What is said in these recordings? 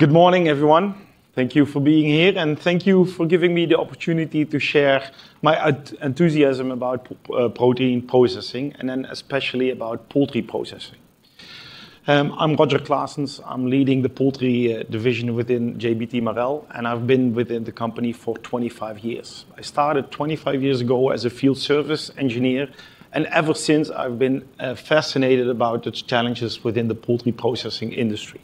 Good morning, everyone. Thank you for being here, and thank you for giving me the opportunity to share my enthusiasm about protein processing and then especially about poultry processing. I'm Roger Claessens. I'm leading the poultry division within JBT Marel, and I've been within the company for 25 years. I started 25 years ago as a Field Service Engineer, and ever since I've been fascinated about the challenges within the poultry processing industry.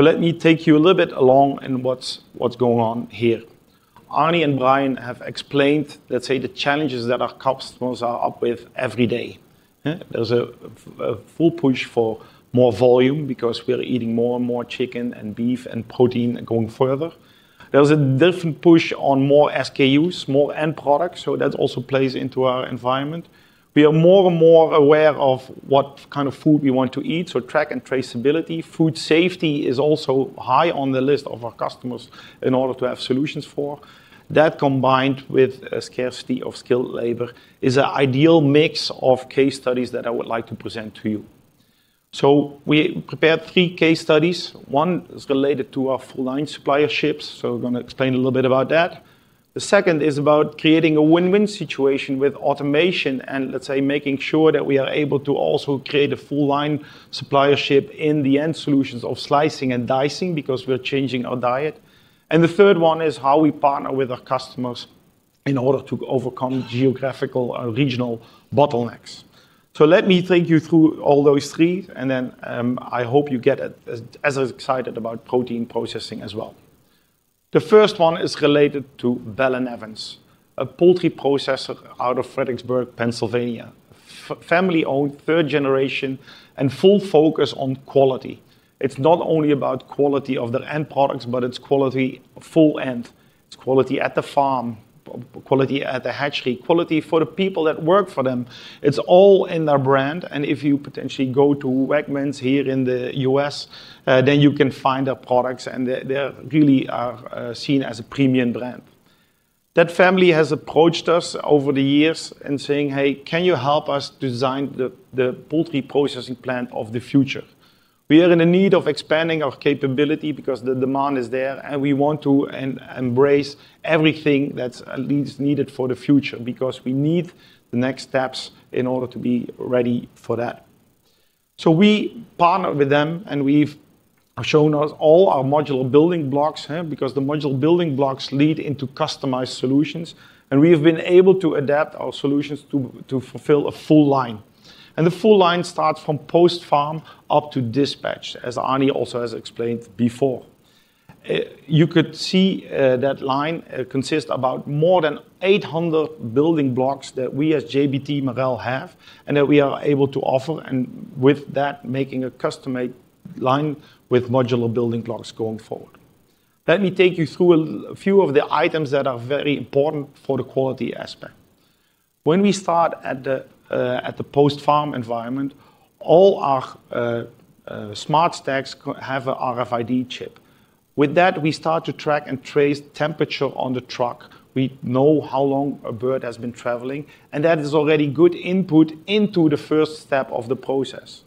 Let me take you a little bit along in what's going on here. Arni and Brian have explained, let's say, the challenges that our customers are up with every day. Yeah. There's a full push for more volume because we are eating more and more chicken and beef and protein going further. There's a different push on more SKUs, more end products, so that also plays into our environment. We are more and more aware of what kind of food we want to eat. Track and traceability. Food safety is also high on the list of our customers in order to have solutions for. That combined with a scarcity of skilled labor is an ideal mix of case studies that I would like to present to you. We prepared three case studies. One is related to our full line supplierships. We're gonna explain a little bit about that. The second is about creating a win-win situation with automation and, let's say, making sure that we are able to also create a full line suppliership in the end solutions of slicing and dicing because we're changing our diet. The third one is how we partner with our customers in order to overcome geographical or regional bottlenecks. Let me take you through all those three, and then I hope you get as excited about protein processing as well. The first one is related to Bell & Evans, a poultry processor out of Fredericksburg, Pennsylvania. Family owned, third-generation, and full focus on quality. It's not only about quality of their end products, but it's quality from end to end. It's quality at the farm, quality at the hatchery, quality for the people that work for them. It's all in their brand, and if you potentially go to Wegmans here in the U.S., then you can find their products, and they really are seen as a premium brand. That family has approached us over the years in saying, Hey, can you help us design the poultry processing plant of the future? We are in a need of expanding our capability because the demand is there, and we want to embrace everything that's at least needed for the future because we need the next steps in order to be ready for that. We partnered with them, and they've shown us all our modular building blocks. Because the modular building blocks lead into customized solutions, and we have been able to adapt our solutions to fulfill a full line. The full line starts from post-farm up to dispatch, as Arni also has explained before. You could see that line consists of more than 800 building blocks that we as JBT Marel have and that we are able to offer, with that making a custom-made line with modular building blocks going forward. Let me take you through a few of the items that are very important for the quality aspect. When we start at the post-farm environment, all our smart stacks have a RFID chip. With that, we start to track and trace temperature on the truck. We know how long a bird has been traveling, and that is already good input into the first step of the process.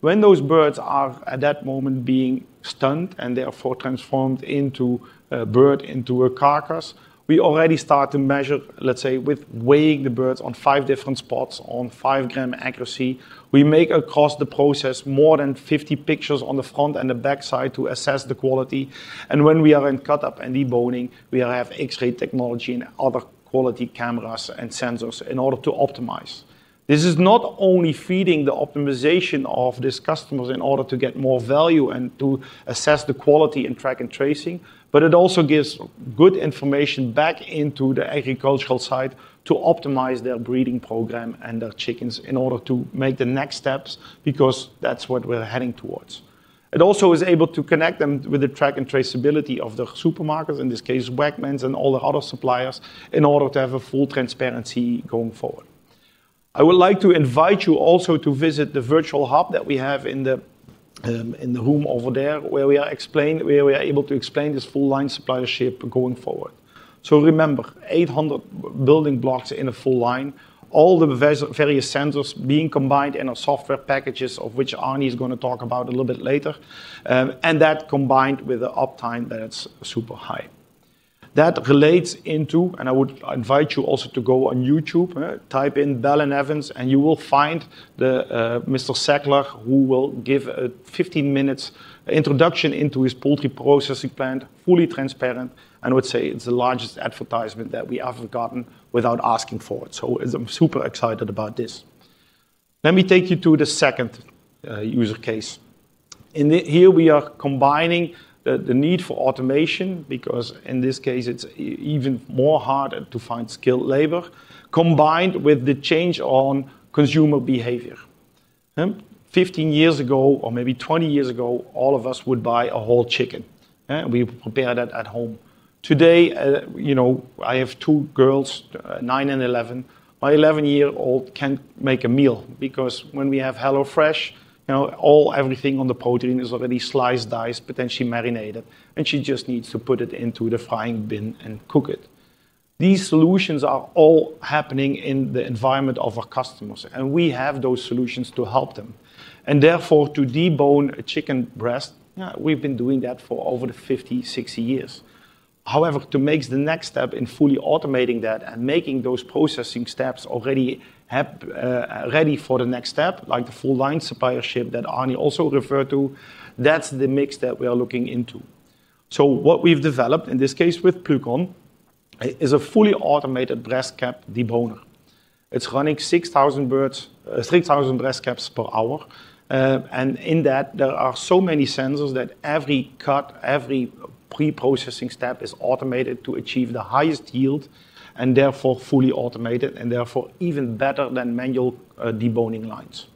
When those birds are at that moment being stunned and therefore transformed into a bird, into a carcass, we already start to measure, let's say, with weighing the birds on five different spots on 5 g accuracy. We make across the process more than 50 pictures on the front and the back side to assess the quality. When we are in cut up and deboning, we have X-ray technology and other quality cameras and sensors in order to optimize. This is not only feeding the optimization of these customers in order to get more value and to assess the quality in track and tracing, but it also gives good information back into the agricultural side to optimize their breeding program and their chickens in order to make the next steps, because that's what we're heading towards. It also is able to connect them with the track and traceability of the supermarkets, in this case, Wegmans and all the other suppliers, in order to have a full transparency going forward. I would like to invite you also to visit the virtual hub that we have in the room over there, where we are able to explain this full line suppliership going forward. Remember, 800 building blocks in a full line, all the various sensors being combined in our software packages, of which Arni's gonna talk about a little bit later, and that combined with the uptime that's super high. That relates into. I would invite you also to go on YouTube, type in Bell & Evans, and you will find the Mr. Sechler, who will give a 15-minute introduction into his poultry processing plant, fully transparent, and I would say it's the largest advertisement that we have gotten without asking for it. I'm super excited about this. Let me take you to the second user case. In here we are combining the need for automation, because in this case it's even more harder to find skilled labor, combined with the change in consumer behavior. 15 years ago, or maybe 20 years ago, all of us would buy a whole chicken. We prepared it at home. Today, you know, I have two girls, nine and 11. My 11-year-old can make a meal because when we have HelloFresh, you know, all everything on the protein is already sliced, diced, potentially marinated, and she just needs to put it into the frying bin and cook it. These solutions are all happening in the environment of our customers, and we have those solutions to help them. Therefore, to debone a chicken breast, yeah, we've been doing that for over 50-60 years. However, to make the next step in fully automating that and making those processing steps already have ready for the next step, like the full line suppliership that Arni also referred to, that's the mix that we are looking into. What we've developed, in this case with Plukon, is a fully automated breast cap deboner. It's running 6,000 breast caps per hour. And in that, there are so many sensors that every cut, every pre-processing step is automated to achieve the highest yield, and therefore fully automated, and therefore even better than manual deboning lines.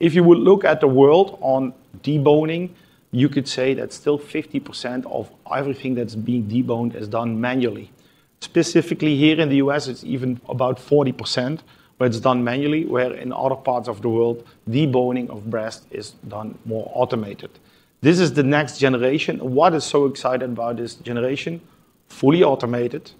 If you would look at the world on deboning, you could say that still 50% of everything that's being deboned is done manually. Specifically here in the U.S., it's even about 40% where it's done manually, where in other parts of the world, deboning of breast is done more automated. This is the next-generation. What is so exciting about this generation, fully-automated,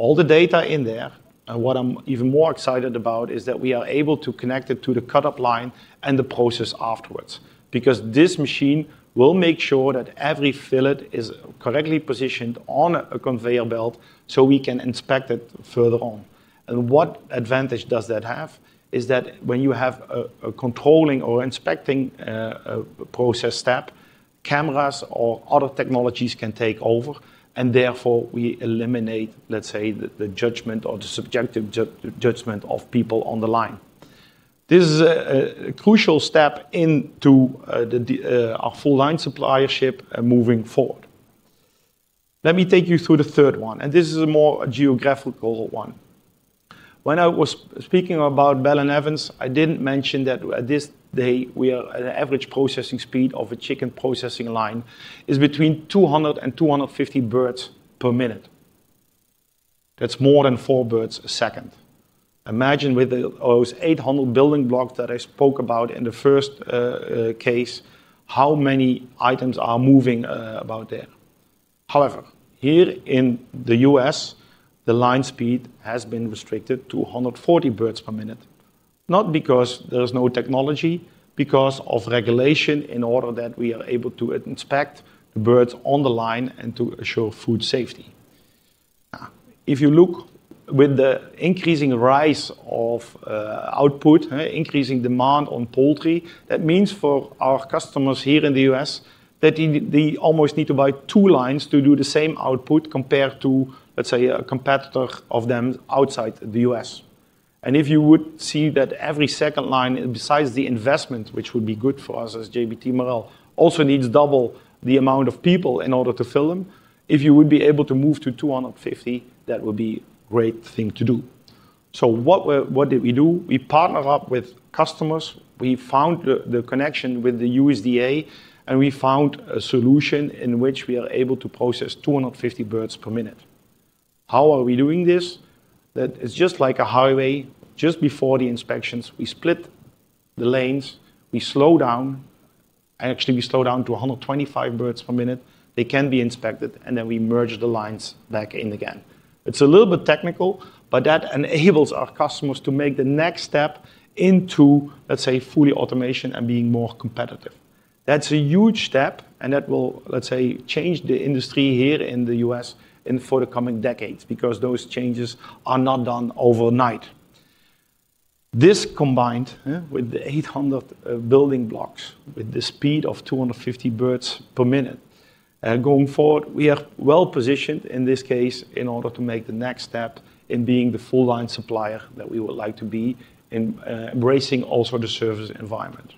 all the data in there. What I'm even more excited about is that we are able to connect it to the cut-up line and the process afterwards. Because this machine will make sure that every fillet is correctly positioned on a conveyor belt, so we can inspect it further on. What advantage does that have is that when you have a controlling or inspecting process step, cameras or other technologies can take over, and therefore we eliminate, let's say, the judgment or the subjective judgment of people on the line. This is a crucial step into the our full line suppliership moving forward. Let me take you through the third one, this is a more geographical one. When I was speaking about Bell & Evans, I didn't mention that at this day, we are at an average processing speed of a chicken processing line is between 200-250 birds per minute. That's more than four birds a second. Imagine with those 800 building blocks that I spoke about in the first case, how many items are moving about there. However, here in the U.S., the line speed has been restricted to 140 birds per minute, not because there's no technology, because of regulation in order that we are able to inspect the birds on the line and to ensure food safety. If you look with the increasing rise of output, increasing demand on poultry, that means for our customers here in the U.S. that they almost need to buy two lines to do the same output compared to, let's say, a competitor of them outside the U.S. If you would see that every second line, besides the investment, which would be good for us as JBT Marel, also needs double the amount of people in order to fill them. If you would be able to move to 250, that would be great thing to do. What did we do? We partnered up with customers. We found the connection with the USDA, and we found a solution in which we are able to process 250 birds per minute. How are we doing this? That is just like a highway. Just before the inspections, we split the lanes, we slow down. Actually, we slow down to 125 birds per minute. They can be inspected, and then we merge the lines back in again. It's a little bit technical, but that enables our customers to make the next step into, let's say, full automation and being more competitive. That's a huge step, and that will, let's say, change the industry here in the U.S. in for the coming decades because those changes are not done overnight. This combined with the 800 building blocks with the speed of 250 birds per minute going forward, we are well-positioned in this case in order to make the next step in being the full line supplier that we would like to be in embracing also the service environment.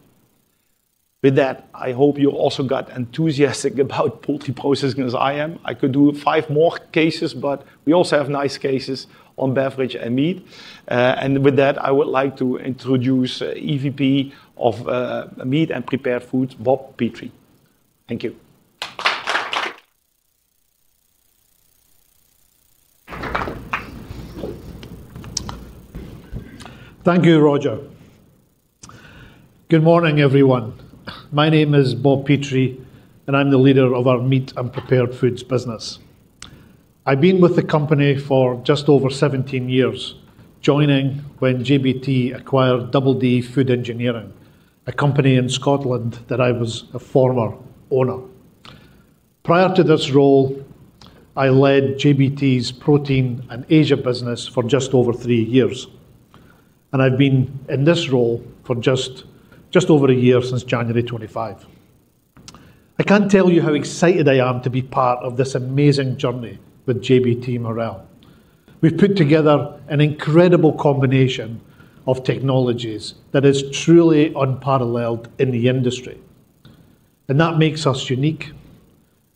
With that, I hope you also got enthusiastic about poultry processing as I am. I could do five more cases, but we also have nice cases on beverage and meat. With that, I would like to introduce EVP of Meat and Prepared Foods, Bob Petrie. Thank you. Thank you, Roger. Good morning, everyone. My name is Bob Petrie, and I'm the leader of our Meat and Prepared Foods business. I've been with the company for just over 17 years, joining when JBT acquired Double D Food Engineering, a company in Scotland that I was a former owner. Prior to this role, I led JBT's Protein and Asia business for just over three years. I've been in this role for just over a year since January 25. I can't tell you how excited I am to be part of this amazing journey with JBT Marel. We've put together an incredible combination of technologies that is truly unparalleled in the industry, and that makes us unique,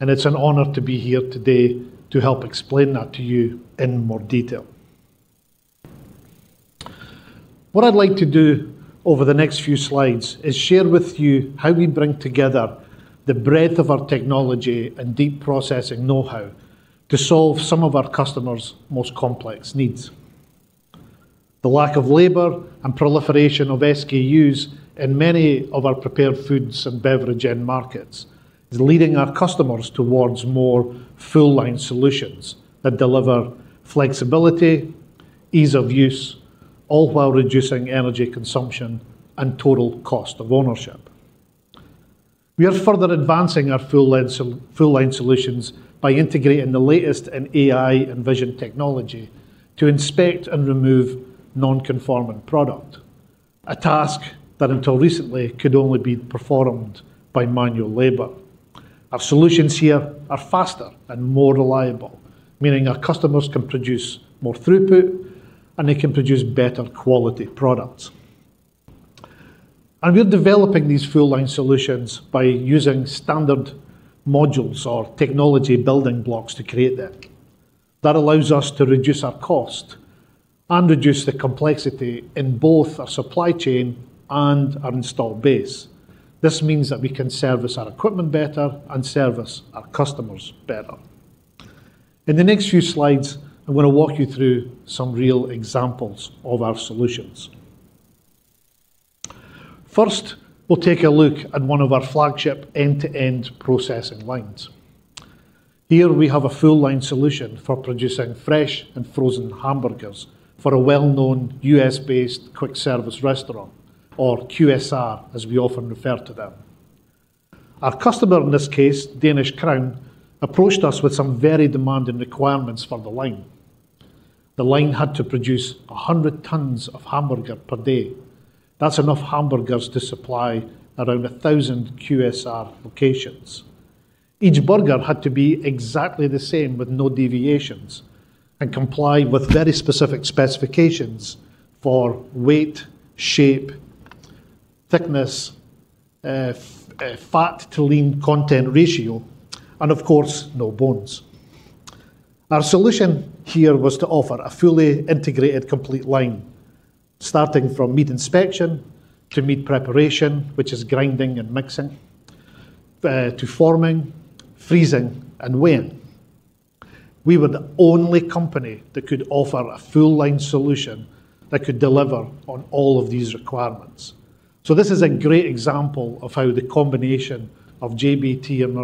and it's an honor to be here today to help explain that to you in more detail. What I'd like to do over the next few slides is share with you how we bring together the breadth of our technology and deep processing know-how to solve some of our customers' most complex needs. The lack of labor and proliferation of SKUs in many of our prepared foods and beverage end markets is leading our customers towards more full-line solutions that deliver flexibility, ease of use, all while reducing energy consumption and total cost of ownership. We are further advancing our full-line solutions by integrating the latest in AI and vision technology to inspect and remove non-conforming product. A task that until recently could only be performed by manual labor. Our solutions here are faster and more reliable, meaning our customers can produce more throughput, and they can produce better quality products. We're developing these full-line solutions by using standard modules or technology building blocks to create them. That allows us to reduce our cost and reduce the complexity in both our supply chain and our installed base. This means that we can service our equipment better and service our customers better. In the next few slides, I'm gonna walk you through some real examples of our solutions. First, we'll take a look at one of our flagship end-to-end processing lines. Here we have a full-line solution for producing fresh and frozen hamburgers for a well-known U.S.-based quick service restaurant, or QSR, as we often refer to them. Our customer in this case, Danish Crown, approached us with some very demanding requirements for the line. The line had to produce 100 tons of hamburger per day. That's enough hamburgers to supply around 1,000 QSR locations. Each burger had to be exactly the same with no deviations and comply with very specific specifications for weight, shape, thickness, fat to lean content ratio, and of course, no bones. Our solution here was to offer a fully integrated complete line starting from meat inspection to meat preparation, which is grinding and mixing, to forming, freezing, and weighing. We were the only company that could offer a full-line solution that could deliver on all of these requirements. This is a great example of how the combination of JBT and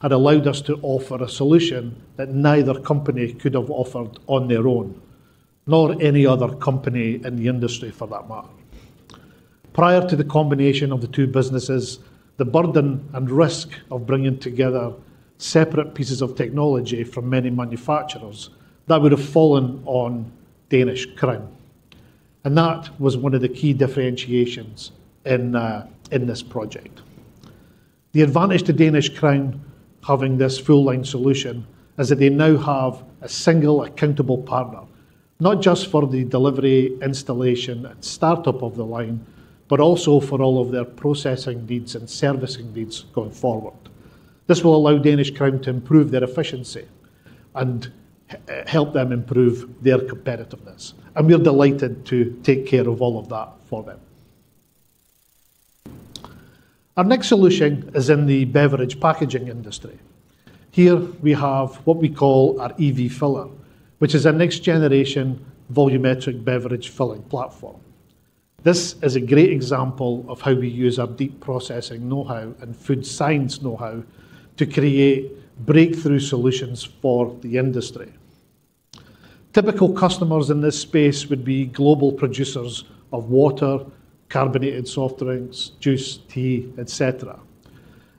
Marel had allowed us to offer a solution that neither company could have offered on their own, nor any other company in the industry for that matter. Prior to the combination of the two businesses, the burden and risk of bringing together separate pieces of technology from many manufacturers, that would have fallen on Danish Crown. That was one of the key differentiations in this project. The advantage to Danish Crown having this full-line solution is that they now have a single accountable partner, not just for the delivery, installation, and startup of the line, but also for all of their processing needs and servicing needs going forward. This will allow Danish Crown to improve their efficiency and help them improve their competitiveness, and we're delighted to take care of all of that for them. Our next solution is in the beverage packaging industry. Here we have what we call our EV Filler, which is our next-generation volumetric beverage filling platform. This is a great example of how we use our deep processing know-how and food science know-how to create breakthrough solutions for the industry. Typical customers in this space would be global producers of water, carbonated soft drinks, juice, tea, et cetera.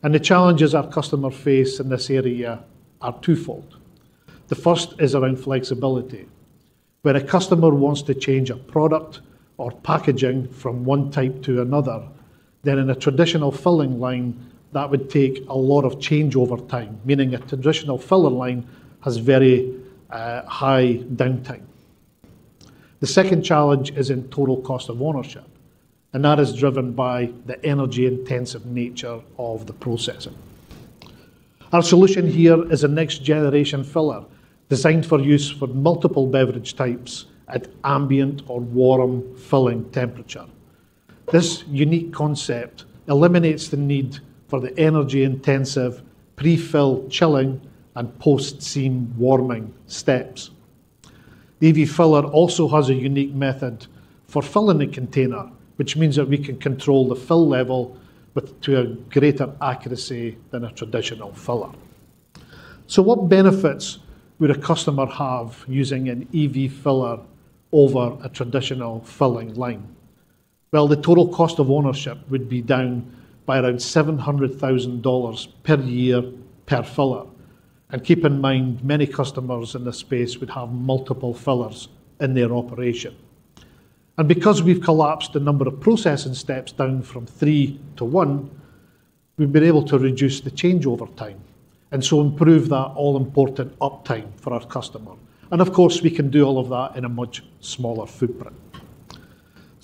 The challenges our customer face in this area are twofold. The first is around flexibility. When a customer wants to change a product or packaging from one type to another, then in a traditional filling line, that would take a lot of changeover time, meaning a traditional filler line has very high downtime. The second challenge is in total cost of ownership, and that is driven by the energy-intensive nature of the processing. Our solution here is a next-generation filler designed for use for multiple beverage types at ambient or warm filling temperature. This unique concept eliminates the need for the energy-intensive pre-fill chilling and post seam warming steps. The EV Filler also has a unique method for filling the container, which means that we can control the fill level to a greater accuracy than a traditional filler. What benefits would a customer have using an EV Filler over a traditional filling line? Well, the total cost of ownership would be down by around $700,000 per year per filler. Keep in mind, many customers in this space would have multiple fillers in their operation. Because we've collapsed the number of processing steps down from three to one, we've been able to reduce the changeover time and so improve that all-important uptime for our customer. Of course, we can do all of that in a much smaller footprint.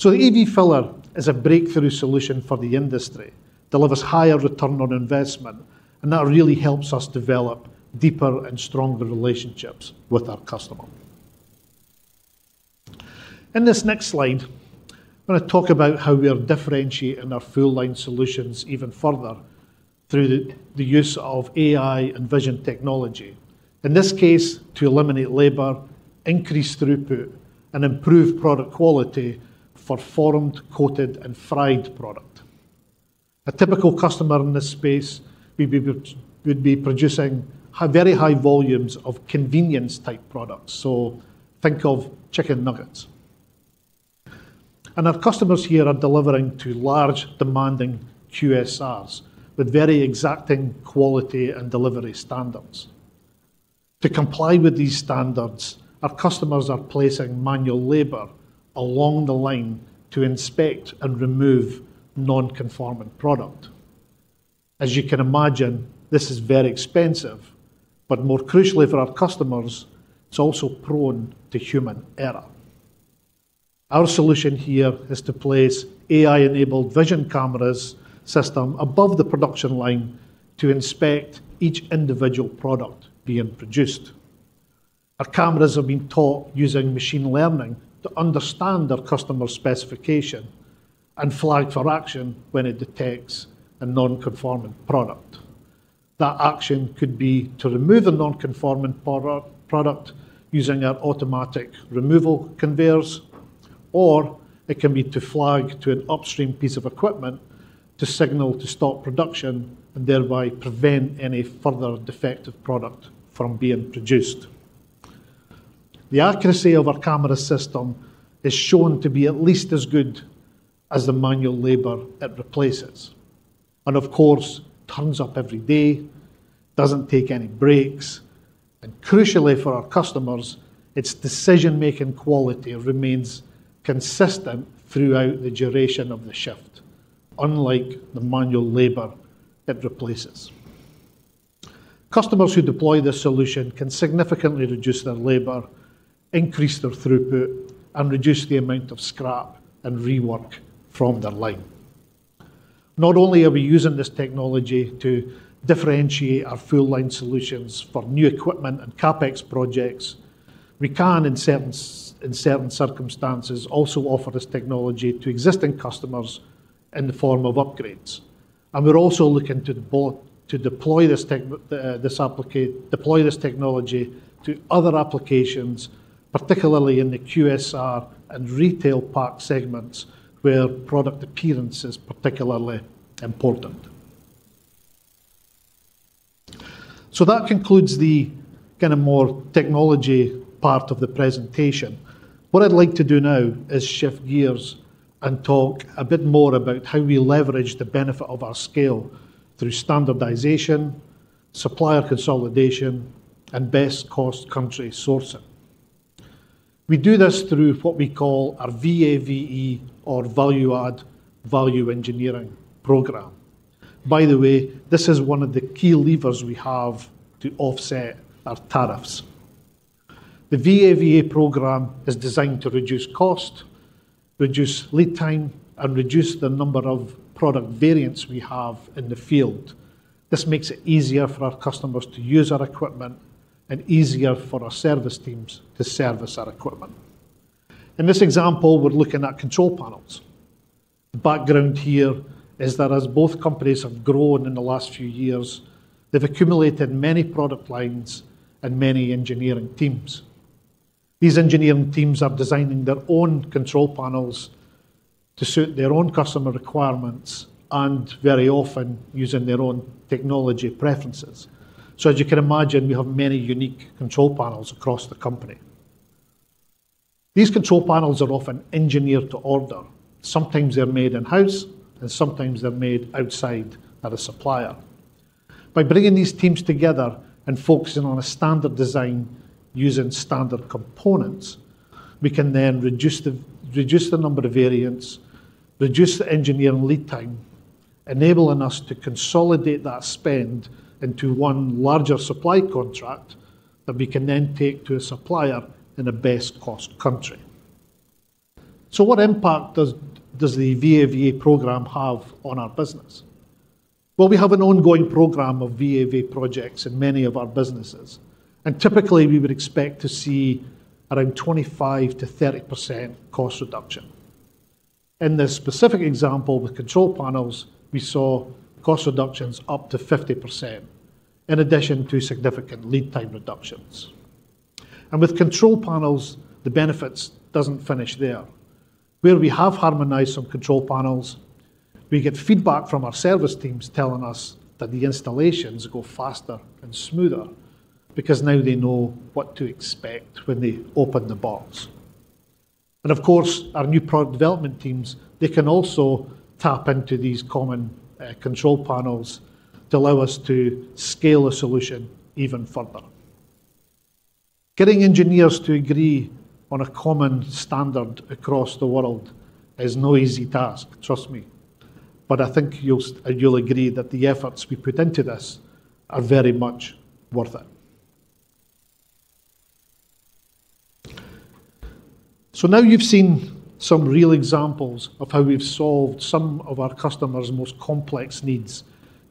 The EV Filler is a breakthrough solution for the industry, delivers higher return on investment, and that really helps us develop deeper and stronger relationships with our customer. In this next slide, I'm gonna talk about how we are differentiating our full line solutions even further through the use of AI and vision technology, in this case, to eliminate labor, increase throughput, and improve product quality for formed, coated, and fried product. A typical customer in this space maybe would be producing high, very high volumes of convenience type products, so think of chicken nuggets. Our customers here are delivering to large demanding QSRs with very exacting quality and delivery standards. To comply with these standards, our customers are placing manual labor along the line to inspect and remove non-conforming product. As you can imagine, this is very expensive, but more crucially for our customers, it's also prone to human error. Our solution here is to place AI-enabled vision cameras system above the production line to inspect each individual product being produced. Our cameras have been taught using machine learning to understand our customer specification and flag for action when it detects a non-conforming product. That action could be to remove a non-conforming product using our automatic removal conveyors, or it can be to flag to an upstream piece of equipment to signal to stop production and thereby prevent any further defective product from being produced. The accuracy of our camera system is shown to be at least as good as the manual labor it replaces, and of course, turns up every day, doesn't take any breaks, and crucially for our customers, its decision-making quality remains consistent throughout the duration of the shift, unlike the manual labor it replaces. Customers who deploy this solution can significantly reduce their labor, increase their throughput, and reduce the amount of scrap and rework from their line. Not only are we using this technology to differentiate our full line solutions for new equipment and CapEx projects, we can in certain circumstances also offer this technology to existing customers in the form of upgrades. We're also looking to deploy this technology to other applications, particularly in the QSR and retail pack segments, where product appearance is particularly important. That concludes the kinda more technology part of the presentation. What I'd like to do now is shift gears and talk a bit more about how we leverage the benefit of our scale through standardization, supplier consolidation, and best cost country sourcing. We do this through what we call our VAVE or Value-Added/Value Engineering program. By the way, this is one of the key levers we have to offset our tariffs. The VAVE program is designed to reduce cost, reduce lead time, and reduce the number of product variants we have in the field. This makes it easier for our customers to use our equipment and easier for our service teams to service our equipment. In this example, we're looking at control panels. The background here is that as both companies have grown in the last few years, they've accumulated many product lines and many engineering teams. These engineering teams are designing their own control panels to suit their own customer requirements and very often using their own technology preferences. As you can imagine, we have many unique control panels across the company. These control panels are often engineered to order. Sometimes they're made in-house, and sometimes they're made outside at a supplier. By bringing these teams together and focusing on a standard design using standard components, we can then reduce the number of variants, reduce the engineering lead time, enabling us to consolidate that spend into one larger supply contract that we can then take to a supplier in a best cost country. What impact does the VAVE program have on our business? Well, we have an ongoing program of VAVE projects in many of our businesses, and typically, we would expect to see around 25%-30% cost reduction. In this specific example with control panels, we saw cost reductions up to 50% in addition to significant lead time reductions. With control panels, the benefits doesn't finish there. Where we have harmonized some control panels, we get feedback from our service teams telling us that the installations go faster and smoother because now they know what to expect when they open the box. Of course, our new product development teams, they can also tap into these common control panels to allow us to scale a solution even further. Getting engineers to agree on a common standard across the world is no easy task, trust me. I think you'll agree that the efforts we put into this are very much worth it. Now you've seen some real examples of how we've solved some of our customers' most complex needs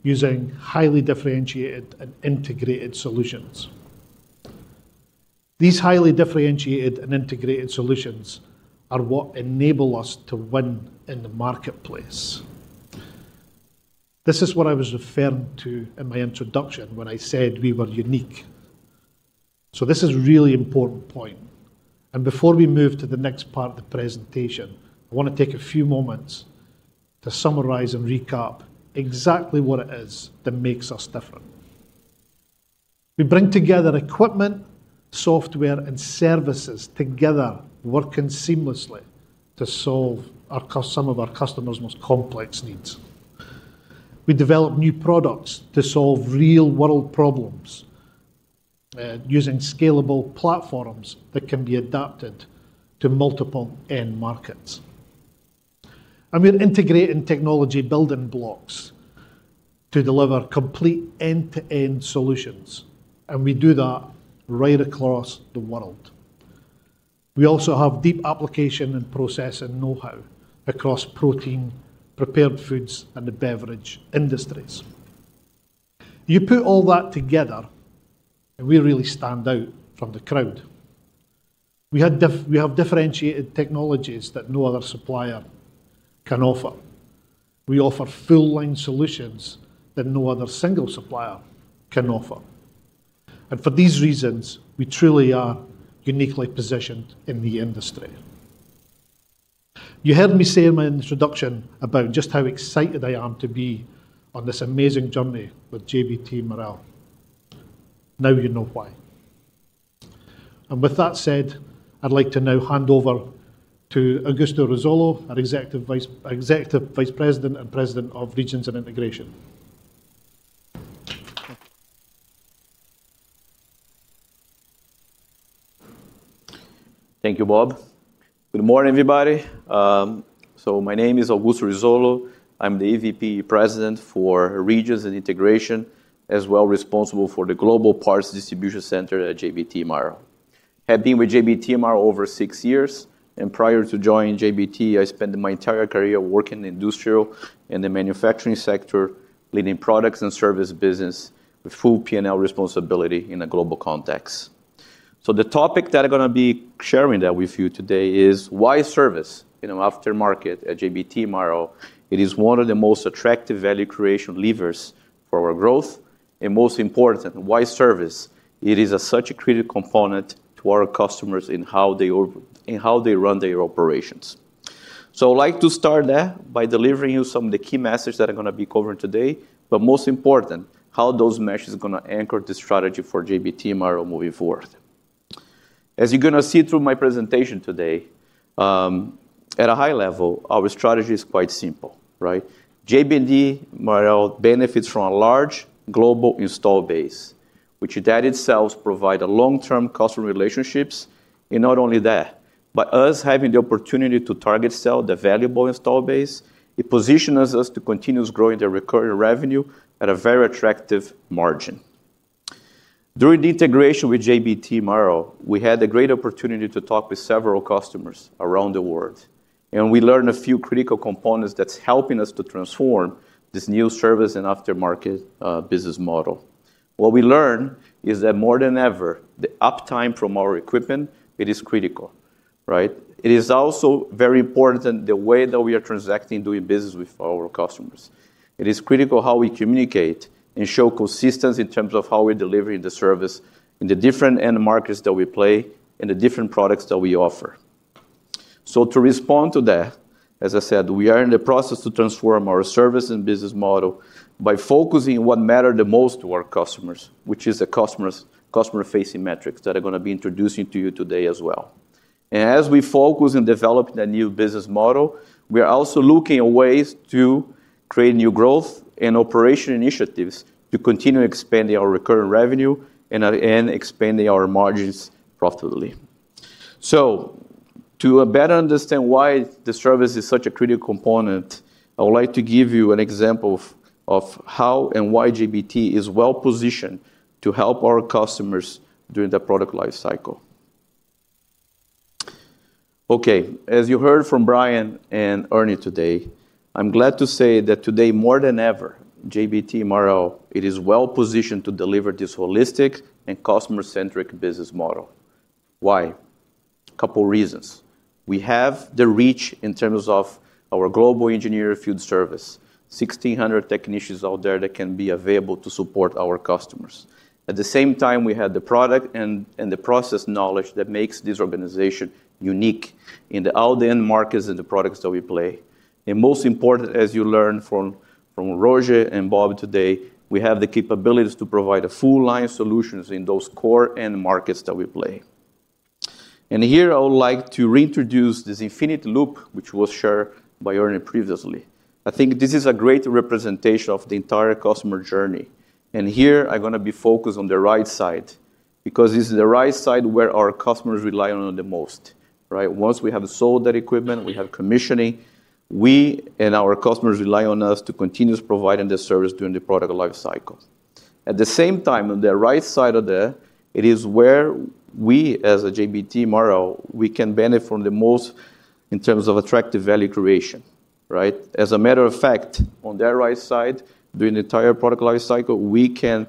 using highly differentiated and integrated solutions. These highly differentiated and integrated solutions are what enable us to win in the marketplace. This is what I was referring to in my introduction when I said we were unique. This is a really important point. Before we move to the next part of the presentation, I wanna take a few moments to summarize and recap exactly what it is that makes us different. We bring together equipment, software, and services together, working seamlessly to solve some of our customers' most complex needs. We develop new products to solve real-world problems, using scalable platforms that can be adapted to multiple end markets. We're integrating technology building blocks to deliver complete end-to-end solutions, and we do that right across the world. We also have deep application and processing know-how across protein, prepared foods, and the beverage industries. You put all that together, and we really stand out from the crowd. We have differentiated technologies that no other supplier can offer. We offer full-line solutions that no other single supplier can offer. For these reasons, we truly are uniquely positioned in the industry. You heard me say in my introduction about just how excited I am to be on this amazing journey with JBT Marel. Now you know why. With that said, I'd like to now hand over to Augusto Rizzolo, our Executive Vice President and President of Regions and Integration. Thank you, Bob. Good morning, everybody. My name is Augusto Rizzolo. I'm the EVP and President for Regions and Integration, as well as responsible for the global parts distribution center at JBT Marel. I have been with JBT Marel over six years, and prior to joining JBT, I spent my entire career working in industrial and the manufacturing sector, leading products and service business with full P&L responsibility in a global context. The topic that I'm gonna be sharing with you today is why service, you know, aftermarket at JBT Marel, it is one of the most attractive value creation levers for our growth, and most important, why service, it is such a critical component to our customers in how they run their operations. I would like to start that by delivering you some of the key message that I'm gonna be covering today, but most important, how those messages gonna anchor the strategy for JBT Marel moving forward. As you're gonna see through my presentation today, at a high level, our strategy is quite simple, right? JBT Marel benefits from a large global installed base, which that itself provide a long-term customer relationships. Not only that, but us having the opportunity to target sell the valuable installed base, it positions us to continuous growing the recurring revenue at a very attractive margin. During the integration with JBT Marel, we had a great opportunity to talk with several customers around the world, and we learned a few critical components that's helping us to transform this new service and aftermarket business model. What we learned is that more than ever, the uptime from our equipment, it is critical, right? It is also very important the way that we are transacting doing business with our customers. It is critical how we communicate and show consistency in terms of how we're delivering the service in the different end markets that we play and the different products that we offer. To respond to that, as I said, we are in the process to transform our service and business model by focusing what matter the most to our customers, which is the customers, customer-facing metrics that I'm gonna be introducing to you today as well. As we focus on developing a new business model, we are also looking at ways to create new growth and operation initiatives to continue expanding our recurring revenue and expanding our margins profitably. To better understand why the service is such a critical component, I would like to give you an example of how and why JBT is well-positioned to help our customers during the product lifecycle. Okay. As you heard from Brian and Arni today, I'm glad to say that today, more than ever, JBT Marel it is well-positioned to deliver this holistic and customer-centric business model. Why? Couple reasons. We have the reach in terms of our global engineering food service. 1,600 technicians out there that can be available to support our customers. At the same time, we have the product and the process knowledge that makes this organization unique in all the end markets and the products that we play. Most important, as you learned from Roger and Bob today, we have the capabilities to provide a full line of solutions in those core end markets that we play. Here, I would like to reintroduce this infinite loop, which was shared by Arni previously. I think this is a great representation of the entire customer journey. Here, I'm gonna be focused on the right side because this is the right side where our customers rely on the most, right? Once we have sold that equipment, we have commissioning, we and our customers rely on us to continuously provide the service during the product lifecycle. At the same time, on the right side of that, it is where we as a JBT Marel, we can benefit from the most in terms of attractive value creation. Right? As a matter of fact, on the right side, during the entire product lifecycle, we can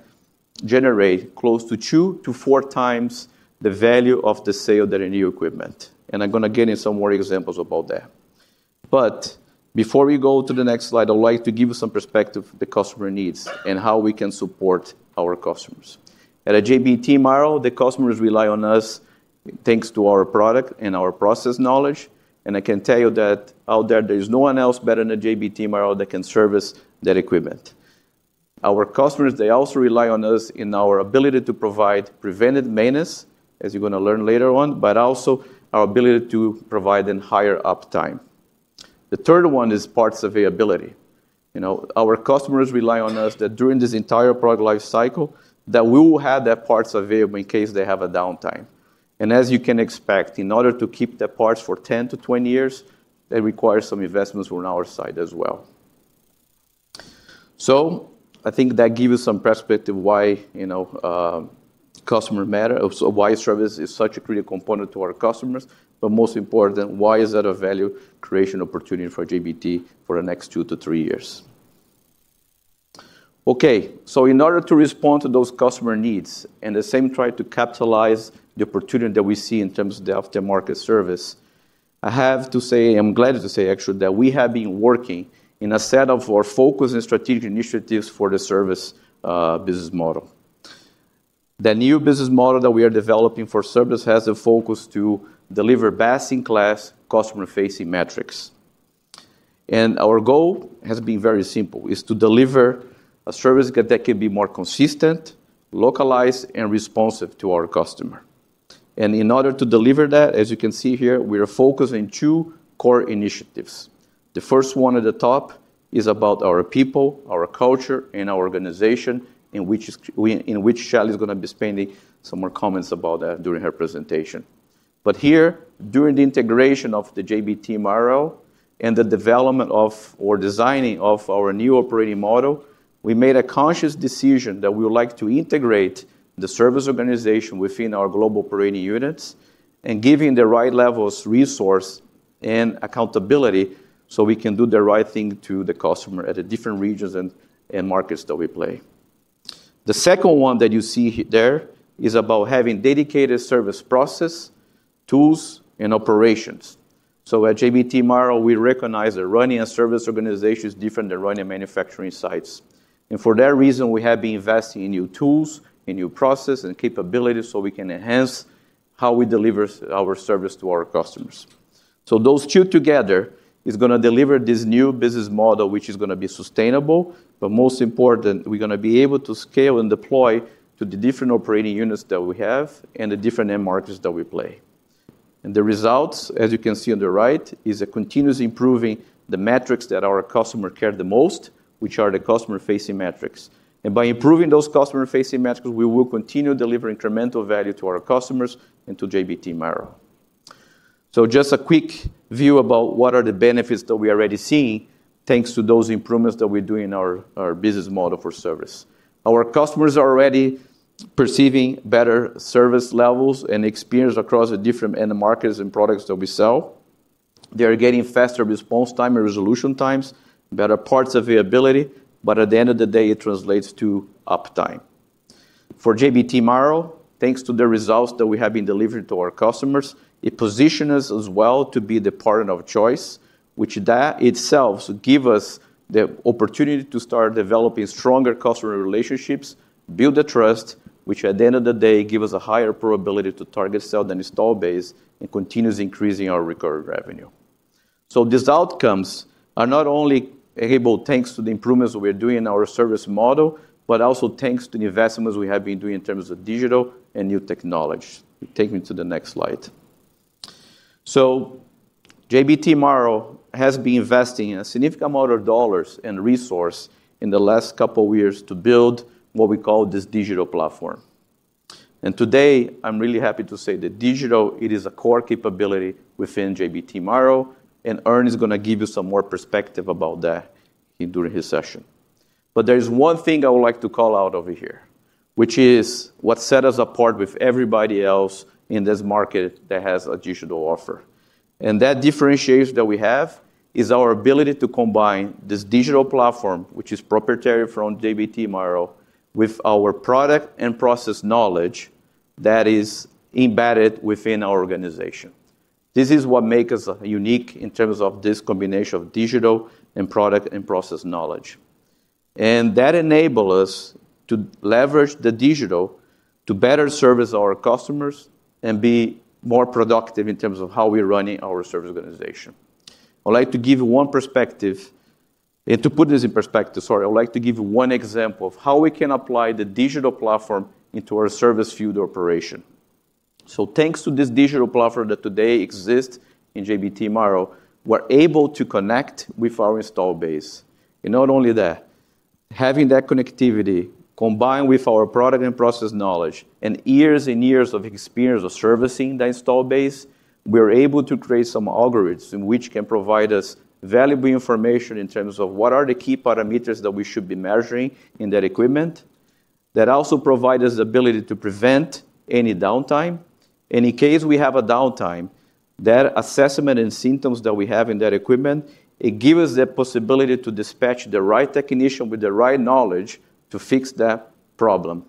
generate close to 2x-4x the value of the sale than a new equipment. I'm gonna get in some more examples about that. Before we go to the next slide, I'd like to give you some perspective of the customer needs and how we can support our customers. At JBT Marel, the customers rely on us thanks to our product and our process knowledge, and I can tell you that out there is no one else better than JBT Marel that can service that equipment. Our customers, they also rely on us in our ability to provide preventive maintenance, as you're gonna learn later on, but also our ability to provide them higher uptime. The third one is parts availability. You know, our customers rely on us that during this entire product life cycle, that we will have the parts available in case they have a downtime. As you can expect, in order to keep the parts for 10-20 years, that requires some investments on our side as well. I think that gives you some perspective why, you know, customers matter, also why service is such a critical component to our customers, but most important, why is that a value creation opportunity for JBT Marel for the next two to three years. Okay. In order to respond to those customer needs, and at the same time try to capitalize the opportunity that we see in terms of the aftermarket service, I have to say, I'm glad to say actually, that we have been working on a set of our focus and strategic initiatives for the service business model. The new business model that we are developing for service has a focus to deliver best-in-class customer-facing metrics. Our goal has been very simple, is to deliver a service that can be more consistent, localized, and responsive to our customer. In order to deliver that, as you can see here, we are focused on two core initiatives. The first one at the top is about our people, our culture, and our organization, in which Shelley is gonna be spending some more comments about that during her presentation. Here, during the integration of the JBT Marel and the development of or designing of our new operating model, we made a conscious decision that we would like to integrate the service organization within our global operating units and giving the right levels of resource and accountability, so we can do the right thing to the customer at the different regions and markets that we play. The second one that you see there is about having dedicated service process, tools, and operations. At JBT Marel, we recognize that running a service organization is different than running manufacturing sites. For that reason, we have been investing in new tools, in new process and capabilities, so we can enhance how we deliver our service to our customers. Those two together is gonna deliver this new business model, which is gonna be sustainable, but most important, we're gonna be able to scale and deploy to the different operating units that we have and the different end markets that we play. The results, as you can see on the right, is a continuous improvement in the metrics that our customers care the most about, which are the customer-facing metrics. By improving those customer-facing metrics, we will continue delivering incremental value to our customers and to JBT Marel. Just a quick view about what are the benefits that we are already seeing thanks to those improvements that we're doing in our business model for service. Our customers are already perceiving better service levels and experience across the different end markets and products that we sell. They are getting faster response time and resolution times, better parts availability, but at the end of the day, it translates to uptime. For JBT Marel, thanks to the results that we have been delivering to our customers, it position us as well to be the partner of choice, which that itself give us the opportunity to start developing stronger customer relationships, build the trust, which at the end of the day give us a higher probability to target, sell to the install base, and continues increasing our recurring revenue. These outcomes are not only able, thanks to the improvements we are doing in our service model, but also thanks to the investments we have been doing in terms of digital and new technology. Take me to the next slide. JBT Marel has been investing a significant amount of dollars and resource in the last couple years to build what we call this digital platform. Today, I'm really happy to say that digital, it is a core capability within JBT Marel, and Arni is gonna give you some more perspective about that during his session. There's one thing I would like to call out over here, which is what set us apart with everybody else in this market that has a digital offer. That differentiation that we have is our ability to combine this digital platform, which is proprietary from JBT Marel, with our product and process knowledge that is embedded within our organization. This is what make us unique in terms of this combination of digital and product and process knowledge. That enable us to leverage the digital to better service our customers and be more productive in terms of how we're running our service organization. I would like to give one example of how we can apply the digital platform into our service field operation. Thanks to this digital platform that today exist in JBT Marel, we're able to connect with our installed base. Not only that, having that connectivity combined with our product and process knowledge and years and years of experience of servicing the installed base, we are able to create some algorithms in which can provide us valuable information in terms of what are the key parameters that we should be measuring in that equipment. That also provide us the ability to prevent any downtime. And in case we have a downtime, that assessment and symptoms that we have in that equipment, it give us the possibility to dispatch the right technician with the right knowledge to fix that problem.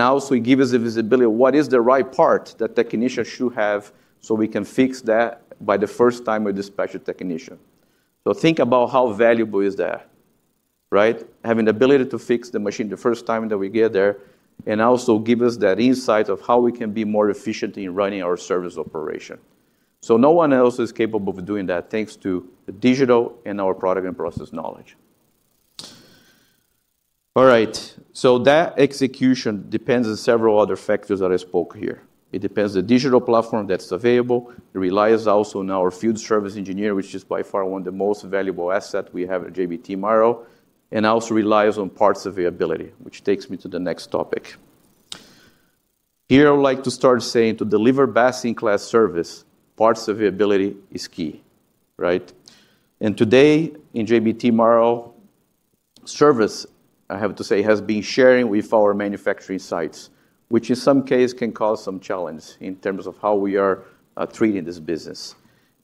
Also it give us the visibility of what is the right part that technician should have, so we can fix that by the first time we dispatch a technician. Think about how valuable is that, right? Having the ability to fix the machine the first time that we get there, and also give us that insight of how we can be more efficient in running our service operation. No one else is capable of doing that, thanks to the digital and our product and process knowledge. All right. That execution depends on several other factors that I spoke here. It depends on the digital platform that's available. It relies also on our Field Service Engineer, which is by far one of the most valuable asset we have at JBT Marel, and also relies on parts availability, which takes me to the next topic. Here, I would like to start saying to deliver best-in-class service, parts availability is key, right? Today in JBT Marel, service, I have to say, has been sharing with our manufacturing sites, which in some case can cause some challenge in terms of how we are, treating this business.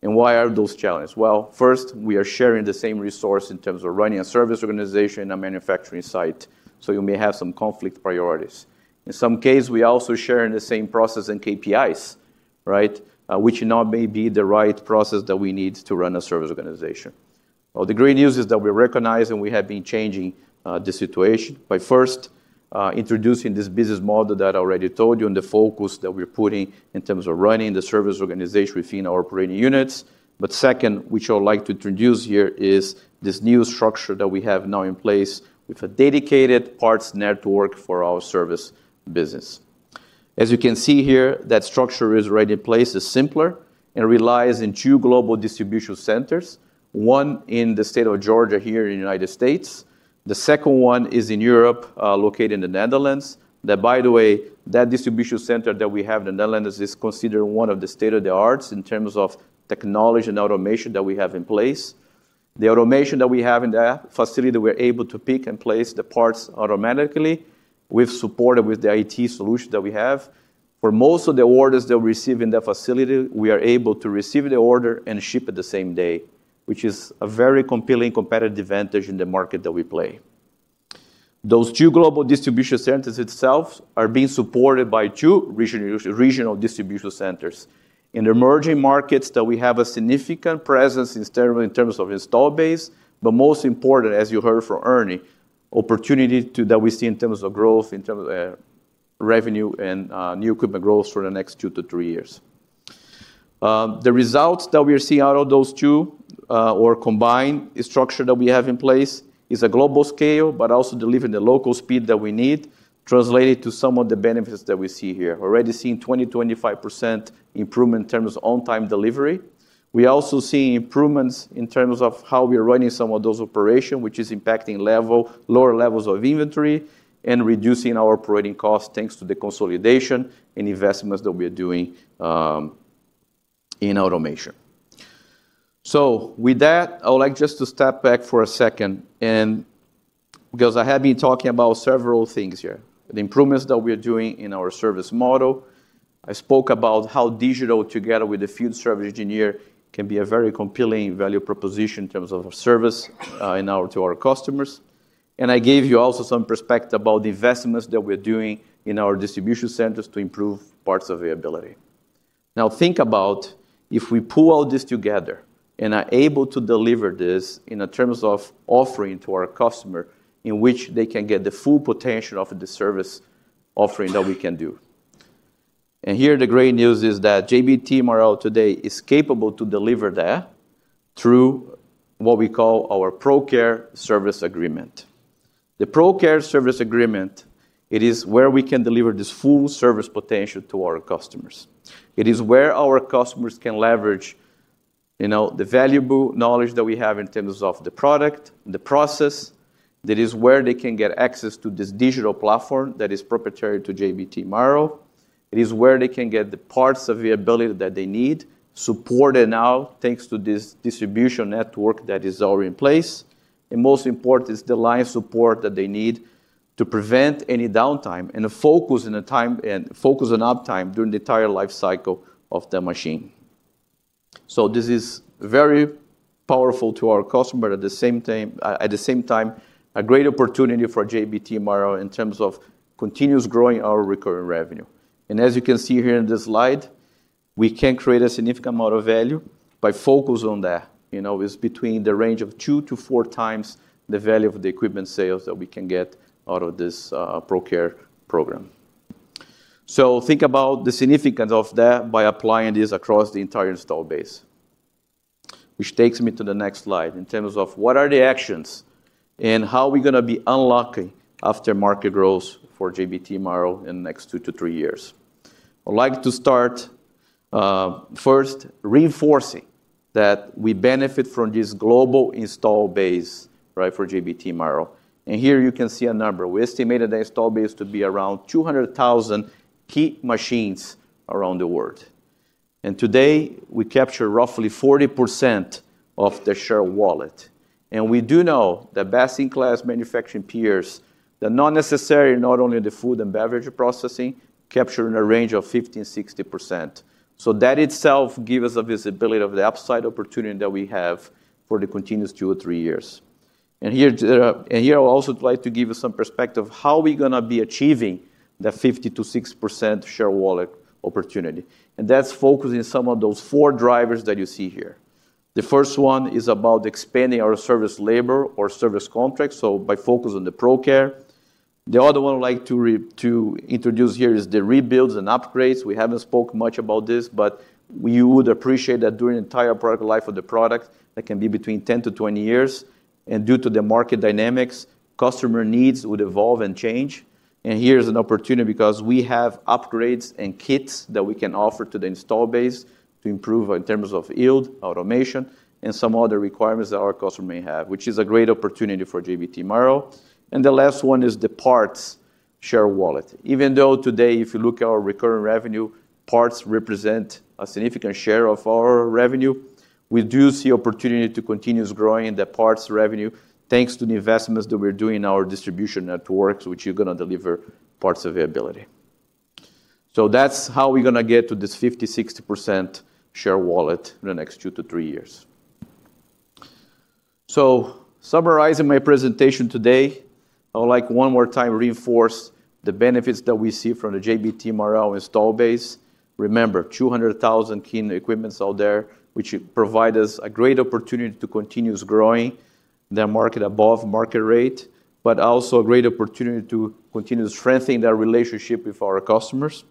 Why are those challenges? Well, first, we are sharing the same resource in terms of running a service organization, a manufacturing site, so you may have some conflict priorities. In some case, we also sharing the same process and KPIs, right? which not may be the right process that we need to run a service organization. Well, the great news is that we recognize and we have been changing the situation by first introducing this business model that I already told you and the focus that we're putting in terms of running the service organization within our operating units. Second, which I would like to introduce here, is this new structure that we have now in place with a dedicated parts network for our service business. As you can see here, that structure is already in place. It's simpler and relies on two global distribution centers, one in the state of Georgia here in the United States. The second one is in Europe, located in the Netherlands. That by the way, that distribution center that we have in the Netherlands is considered one of the state-of-the-art in terms of technology and automation that we have in place. The automation that we have in that facility, we're able to pick and place the parts automatically with support with the IT solution that we have. For most of the orders that we receive in that facility, we are able to receive the order and ship it the same day, which is a very compelling competitive advantage in the market that we play. Those two global distribution centers themselves are being supported by two regional distribution centers in the emerging markets that we have a significant presence in terms of install base. Most important, as you heard from Arni, the opportunity that we see in terms of growth, in terms of revenue and new equipment growth for the next two to three years. The results that we are seeing out of those two or combined structure that we have in place is a global scale, but also delivering the local speed that we need, translated to some of the benefits that we see here. Already seeing 20%-25% improvement in terms of on-time delivery. We also seeing improvements in terms of how we are running some of those operation, which is impacting lower levels of inventory and reducing our operating costs, thanks to the consolidation and investments that we are doing in automation. With that, I would like just to step back for a second and because I have been talking about several things here, the improvements that we are doing in our service model. I spoke about how digital together with the field service engineer can be a very compelling value proposition in terms of service to our customers. I gave you also some perspective about the investments that we're doing in our distribution centers to improve parts availability. Now, think about if we pull all this together and are able to deliver this in a terms of offering to our customer in which they can get the full potential of the service offering that we can do. Here the great news is that JBT Marel today is capable to deliver that through what we call our ProCare service agreement. The ProCare service agreement, it is where we can deliver this full service potential to our customers. It is where our customers can leverage, you know, the valuable knowledge that we have in terms of the product, the process. That is where they can get access to this digital platform that is proprietary to JBT Marel. It is where they can get the parts availability that they need, supported now, thanks to this distribution network that is already in place. Most important is the life support that they need to prevent any downtime and focus on uptime during the entire life cycle of the machine. This is very powerful to our customer. At the same time, a great opportunity for JBT Marel in terms of continuous growing our recurring revenue. As you can see here in this slide, we can create a significant amount of value by focus on that. You know, it's between the range of 2x-4x the value of the equipment sales that we can get out of this ProCare program. Think about the significance of that by applying this across the entire install base. Which takes me to the next slide in terms of what are the actions and how are we gonna be unlocking after market growth for JBT Marel in next two to three years. I would like to start first reinforcing that we benefit from this global install base, right, for JBT Marel. Here you can see a number. We estimated the install base to be around 200,000 key machines around the world. Today, we capture roughly 40% of the share wallet. We do know that best-in-class manufacturing peers that not necessarily not only the food and beverage processing capture in a range of 50%-60%. That itself give us a visibility of the upside opportunity that we have for the continuous two or three years. Here, I would also like to give you some perspective how we gonna be achieving the 50%-60% share wallet opportunity. That's focusing some of those four drivers that you see here. The first one is about expanding our service labor or service contracts, so by focus on the ProCare. The other one I'd like to introduce here is the rebuilds and upgrades. We haven't spoke much about this, but you would appreciate that during the entire product life of the product, that can be between 10-20 years, and due to the market dynamics, customer needs would evolve and change. Here's an opportunity because we have upgrades and kits that we can offer to the install base to improve in terms of yield, automation, and some other requirements that our customer may have, which is a great opportunity for JBT Marel. The last one is the parts share wallet. Even though today, if you look at our recurring revenue, parts represent a significant share of our revenue, we do see opportunity to continuous growing in the parts revenue, thanks to the investments that we're doing in our distribution networks, which are gonna deliver parts availability. That's how we're gonna get to this 50%-60% share wallet in the next two to three years. Summarizing my presentation today, I would like one more time to reinforce the benefits that we see from the JBT Marel installed base. Remember, 200,000 key equipment out there, which provide us a great opportunity to continue growing that market above market rate, but also a great opportunity to continue strengthening that relationship with our customers.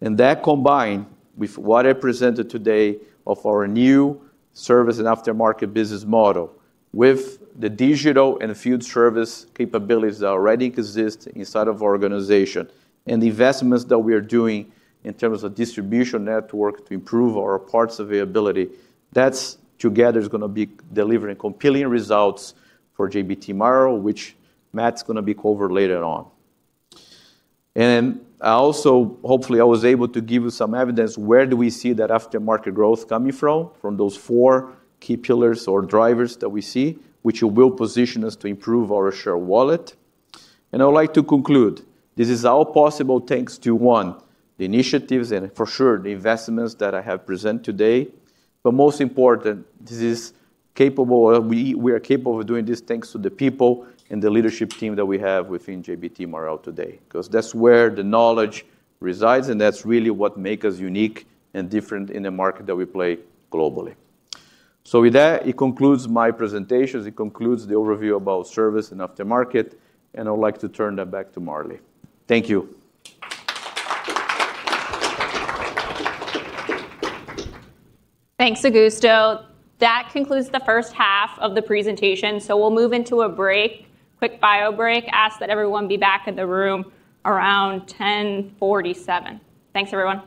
That combined with what I presented today of our new service and aftermarket business model with the digital and field service capabilities that already exist inside of our organization and the investments that we are doing in terms of distribution network to improve our parts availability, that's together gonna be delivering compelling results for JBT Marel, which Matt's gonna cover later on. I also hopefully, I was able to give you some evidence where do we see that aftermarket growth coming from those four key pillars or drivers that we see, which will position us to improve our share wallet. I would like to conclude, this is all possible thanks to, one, the initiatives and for sure the investments that I have presented today. Most important, we are capable of doing this thanks to the people and the leadership team that we have within JBT Marel today, because that's where the knowledge resides, and that's really what make us unique and different in the market that we play globally. With that, it concludes my presentation. It concludes the overview about service and aftermarket, and I would like to turn that back to Marlee. Thank you. Thanks, Augusto. That concludes the first half of the presentation, so we'll move into a break, quick bio break. I ask that everyone be back in the room around 10:47 A.M.. Thanks, everyone.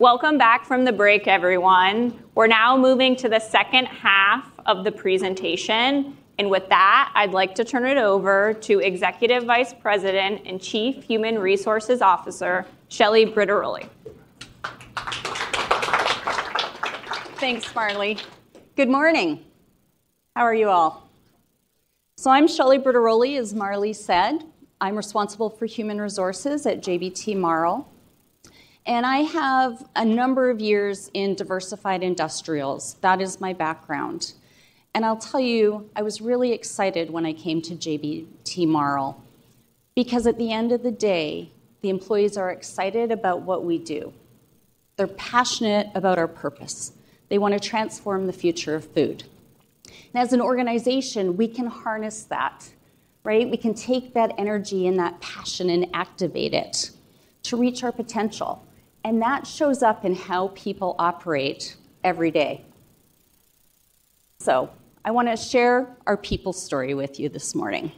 Welcome back from the break, everyone. We're now moving to the second half of the presentation, and with that, I'd like to turn it over to Executive Vice President and Chief Human Resources Officer, Shelley Bridarolli. Thanks, Marlee. Good morning. How are you all? I'm Shelley Bridarolli, as Marlee said. I'm responsible for Human Resources at JBT Marel, and I have a number of years in diversified industrials. That is my background. I'll tell you, I was really excited when I came to JBT Marel because at the end of the day, the employees are excited about what we do. They're passionate about our purpose. They want to transform the future of food. As an organization, we can harness that, right? We can take that energy and that passion and activate it to reach our potential, and that shows up in how people operate every day. I want to share our people story with you this morning.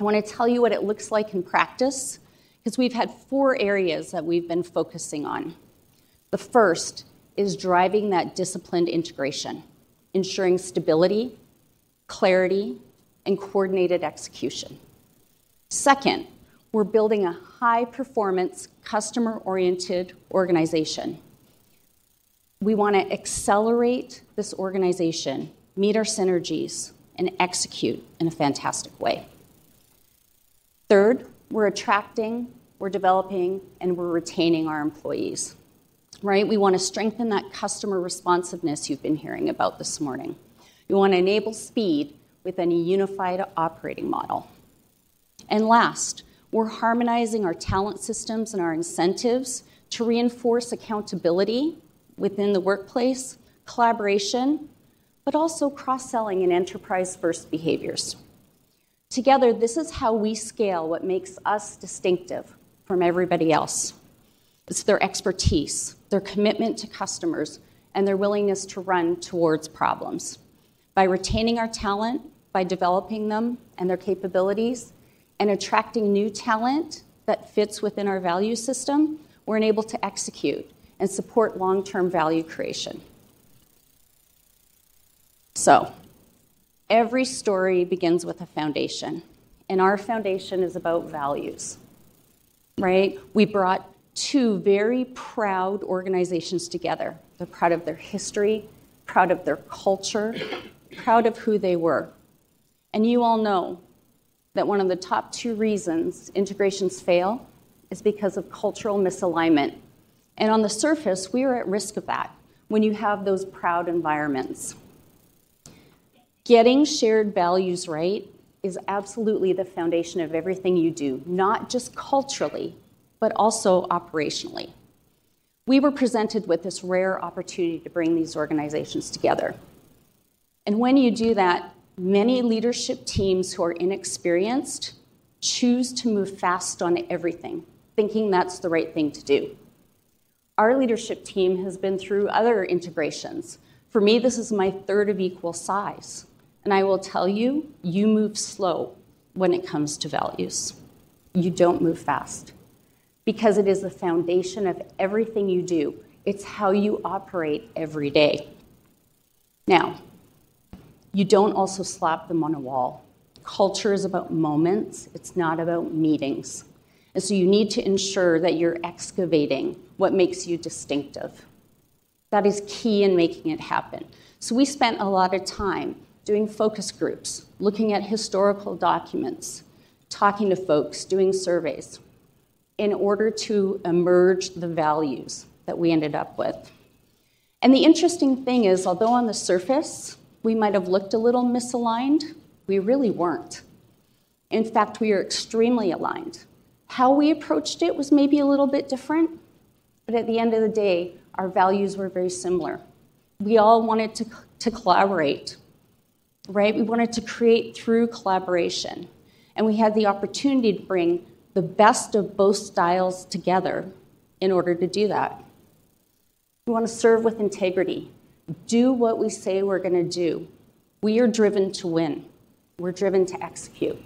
I want to tell you what it looks like in practice because we've had four areas that we've been focusing on. The first is driving that disciplined integration, ensuring stability, clarity, and coordinated execution. Second, we're building a high-performance, customer-oriented organization. We want to accelerate this organization, meet our synergies, and execute in a fantastic way. Third, we're attracting, we're developing, and we're retaining our employees, right? We want to strengthen that customer responsiveness you've been hearing about this morning. We want to enable speed with a unified operating model. Last, we're harmonizing our talent systems and our incentives to reinforce accountability within the workplace, collaboration, but also cross-selling and enterprise-first behaviors. Together, this is how we scale what makes us distinctive from everybody else. It's their expertise, their commitment to customers, and their willingness to run towards problems. By retaining our talent, by developing them and their capabilities, and attracting new talent that fits within our value system, we're enabled to execute and support long-term value creation. Every story begins with a foundation, and our foundation is about values, right? We brought two very proud organizations together. They're proud of their history, proud of their culture, proud of who they were. You all know that one of the top two reasons integrations fail is because of cultural misalignment. On the surface, we are at risk of that when you have those proud environments. Getting shared values right is absolutely the foundation of everything you do, not just culturally, but also operationally. We were presented with this rare opportunity to bring these organizations together. When you do that, many leadership teams who are inexperienced choose to move fast on everything, thinking that's the right thing to do. Our leadership team has been through other integrations. For me, this is my third of equal size. I will tell you move slow when it comes to values. You don't move fast because it is the foundation of everything you do. It's how you operate every day. Now, you don't also slap them on a wall. Culture is about moments. It's not about meetings. You need to ensure that you're excavating what makes you distinctive. That is key in making it happen. We spent a lot of time doing focus groups, looking at historical documents, talking to folks, doing surveys in order to emerge the values that we ended up with. The interesting thing is, although on the surface we might have looked a little misaligned, we really weren't. In fact, we are extremely aligned. How we approached it was maybe a little bit different, but at the end of the day, our values were very similar. We all wanted to collaborate, right? We wanted to create through collaboration, and we had the opportunity to bring the best of both styles together in order to do that. We wanna serve with integrity, do what we say we're gonna do. We are driven to win. We're driven to execute.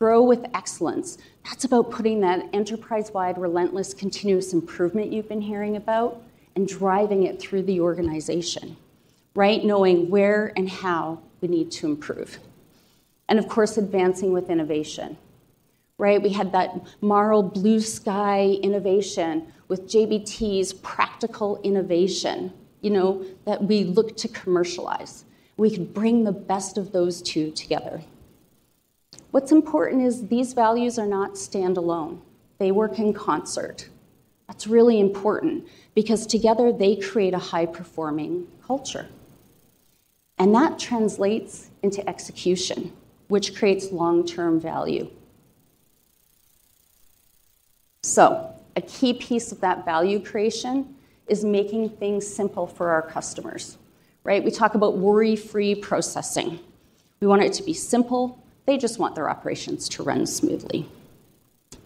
Grow with excellence. That's about putting that enterprise-wide, relentless, continuous improvement you've been hearing about and driving it through the organization, right? Knowing where and how we need to improve, and of course, advancing with innovation, right? We had that Marel blue sky innovation with JBT's practical innovation, you know, that we look to commercialize. We can bring the best of those two together. What's important is these values are not standalone. They work in concert. That's really important because together they create a high-performing culture, and that translates into execution, which creates long-term value. A key piece of that value creation is making things simple for our customers, right? We talk about worry-free processing. We want it to be simple. They just want their operations to run smoothly.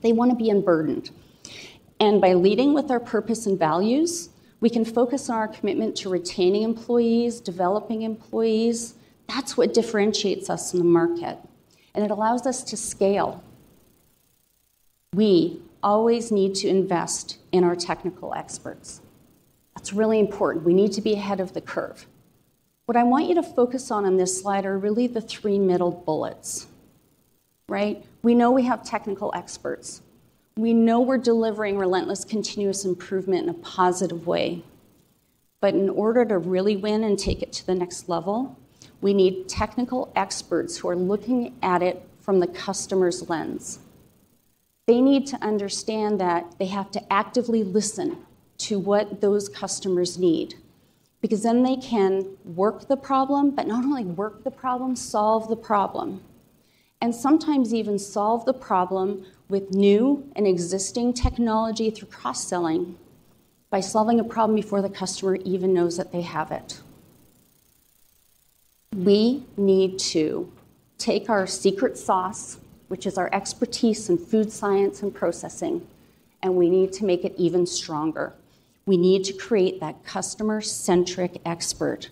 They wanna be unburdened. By leading with our purpose and values, we can focus on our commitment to retaining employees, developing employees. That's what differentiates us in the market, and it allows us to scale. We always need to invest in our technical experts. That's really important. We need to be ahead of the curve. What I want you to focus on on this slide are really the three middle bullets, right? We know we have technical experts. We know we're delivering relentless continuous improvement in a positive way. In order to really win and take it to the next level, we need technical experts who are looking at it from the customer's lens. They need to understand that they have to actively listen to what those customers need, because then they can work the problem, but not only work the problem, solve the problem, and sometimes even solve the problem with new and existing technology through cross-selling by solving a problem before the customer even knows that they have it. We need to take our secret sauce, which is our expertise in food science and processing, and we need to make it even stronger. We need to create that customer-centric expert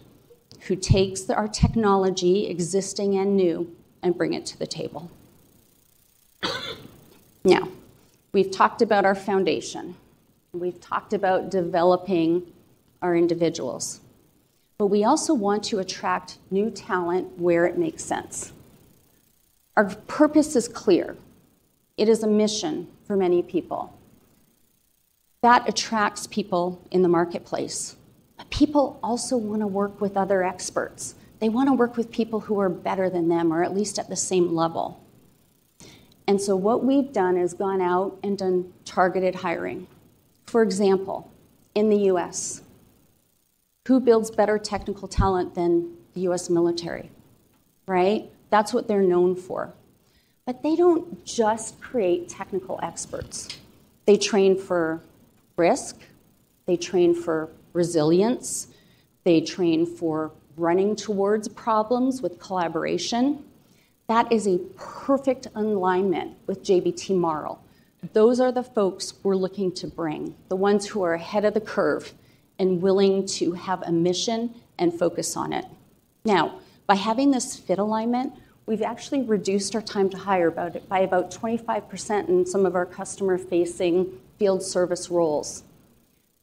who takes our technology, existing and new, and bring it to the table. We've talked about our foundation, and we've talked about developing our individuals, but we also want to attract new talent where it makes sense. Our purpose is clear. It is a mission for many people. That attracts people in the marketplace. People also wanna work with other experts. They wanna work with people who are better than them, or at least at the same level. What we've done is gone out and done targeted hiring. For example, in the U.S., who builds better technical talent than the U.S. military, right? That's what they're known for. They don't just create technical experts. They train for risk. They train for resilience. They train for running towards problems with collaboration. That is a perfect alignment with JBT Marel. Those are the folks we're looking to bring, the ones who are ahead of the curve and willing to have a mission and focus on it. Now, by having this fit alignment, we've actually reduced our time to hire about, by about 25% in some of our customer-facing field service roles.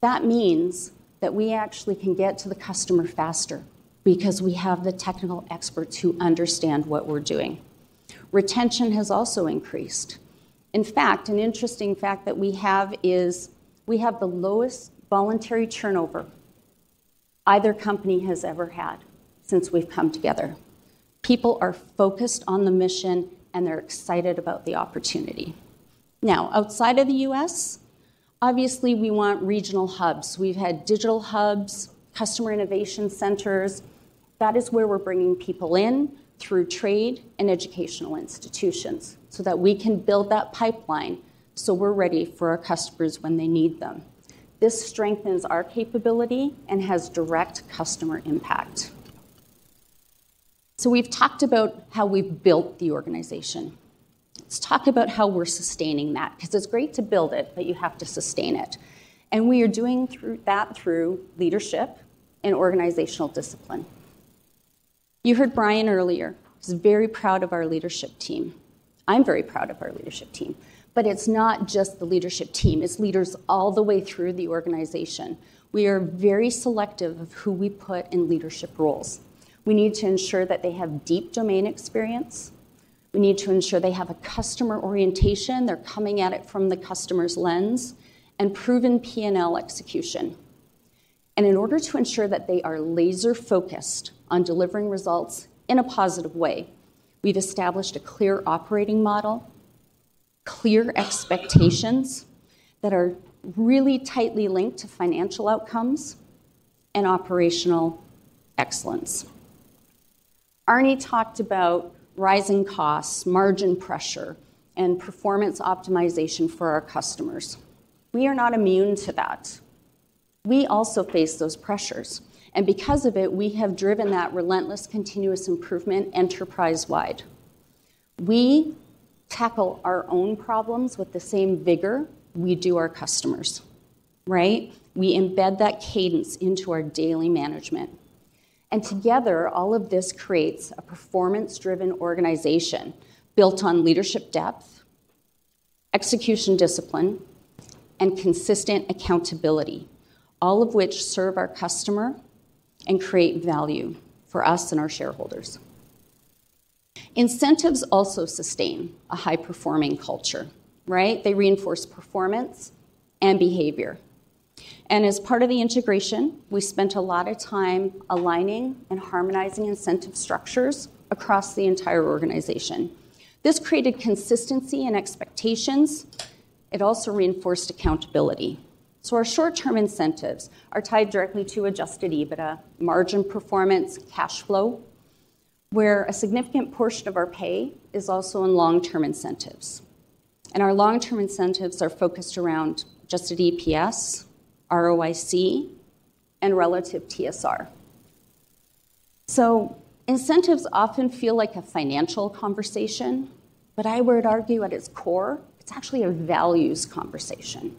That means that we actually can get to the customer faster because we have the technical experts who understand what we're doing. Retention has also increased. In fact, an interesting fact that we have is we have the lowest voluntary turnover either company has ever had since we've come together. People are focused on the mission, and they're excited about the opportunity. Now, outside of the U.S., obviously we want regional hubs. We've had digital hubs, customer innovation centers. That is where we're bringing people in through trade and educational institutions so that we can build that pipeline, so we're ready for our customers when they need them. This strengthens our capability and has direct customer impact. We've talked about how we've built the organization. Let's talk about how we're sustaining that because it's great to build it, but you have to sustain it. We are doing that through leadership and organizational discipline. You heard Brian earlier. He's very proud of our leadership team. I'm very proud of our leadership team. It's not just the leadership team, it's leaders all the way through the organization. We are very selective of who we put in leadership roles. We need to ensure that they have deep domain experience. We need to ensure they have a customer orientation, they're coming at it from the customer's lens, and proven P&L execution. In order to ensure that they are laser-focused on delivering results in a positive way, we've established a clear operating model, clear expectations that are really tightly linked to financial outcomes and operational excellence. Arni talked about rising costs, margin pressure, and performance optimization for our customers. We are not immune to that. We also face those pressures. Because of it, we have driven that relentless continuous improvement enterprise-wide. We tackle our own problems with the same vigor we do our customers, right? We embed that cadence into our daily management. Together, all of this creates a performance-driven organization built on leadership depth, execution discipline, and consistent accountability, all of which serve our customer and create value for us and our shareholders. Incentives also sustain a high-performing culture, right? They reinforce performance and behavior. As part of the integration, we spent a lot of time aligning and harmonizing incentive structures across the entire organization. This created consistency and expectations. It also reinforced accountability. Our short-term incentives are tied directly to Adjusted EBITDA, margin performance, cash flow, where a significant portion of our pay is also in long-term incentives. Our long-term incentives are focused around adjusted EPS, ROIC, and relative TSR. Incentives often feel like a financial conversation, but I would argue at its core, it's actually a values conversation,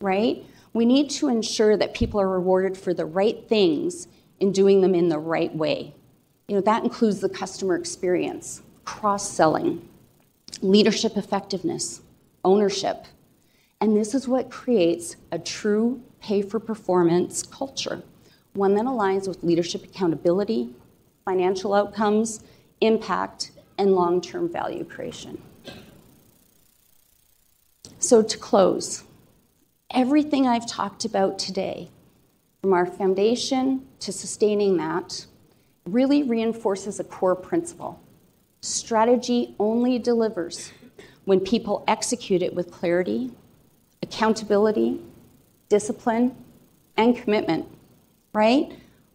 right? We need to ensure that people are rewarded for the right things and doing them in the right way. You know, that includes the customer experience, cross-selling, leadership effectiveness, ownership. This is what creates a true pay-for-performance culture, one that aligns with leadership accountability, financial outcomes, impact, and long-term value creation. To close, everything I've talked about today, from our foundation to sustaining that, really reinforces a core principle. Strategy only delivers when people execute it with clarity, accountability, discipline, and commitment, right?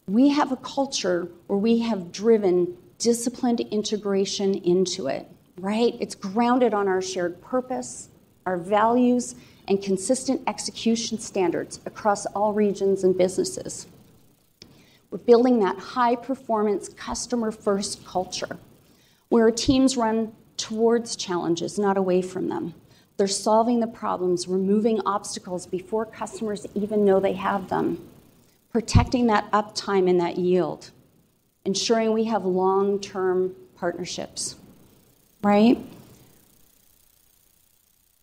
We have a culture where we have driven disciplined integration into it, right? It's grounded on our shared purpose, our values, and consistent execution standards across all regions and businesses. We're building that high-performance, customer-first culture, where our teams run towards challenges, not away from them. They're solving the problems, removing obstacles before customers even know they have them, protecting that uptime and that yield, ensuring we have long-term partnerships, right?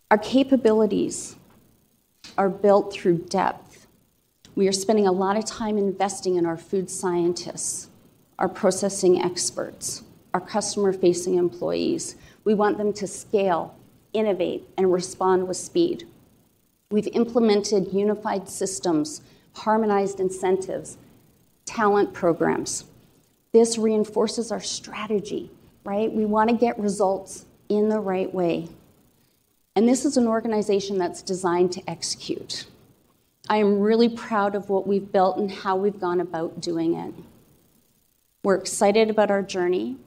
Our capabilities are built through depth. We are spending a lot of time investing in our food scientists, our processing experts, our customer-facing employees. We want them to scale, innovate, and respond with speed. We've implemented unified systems, harmonized incentives, talent programs. This reinforces our strategy, right? We wanna get results in the right way. This is an organization that's designed to execute. I am really proud of what we've built and how we've gone about doing it. We're excited about our journey,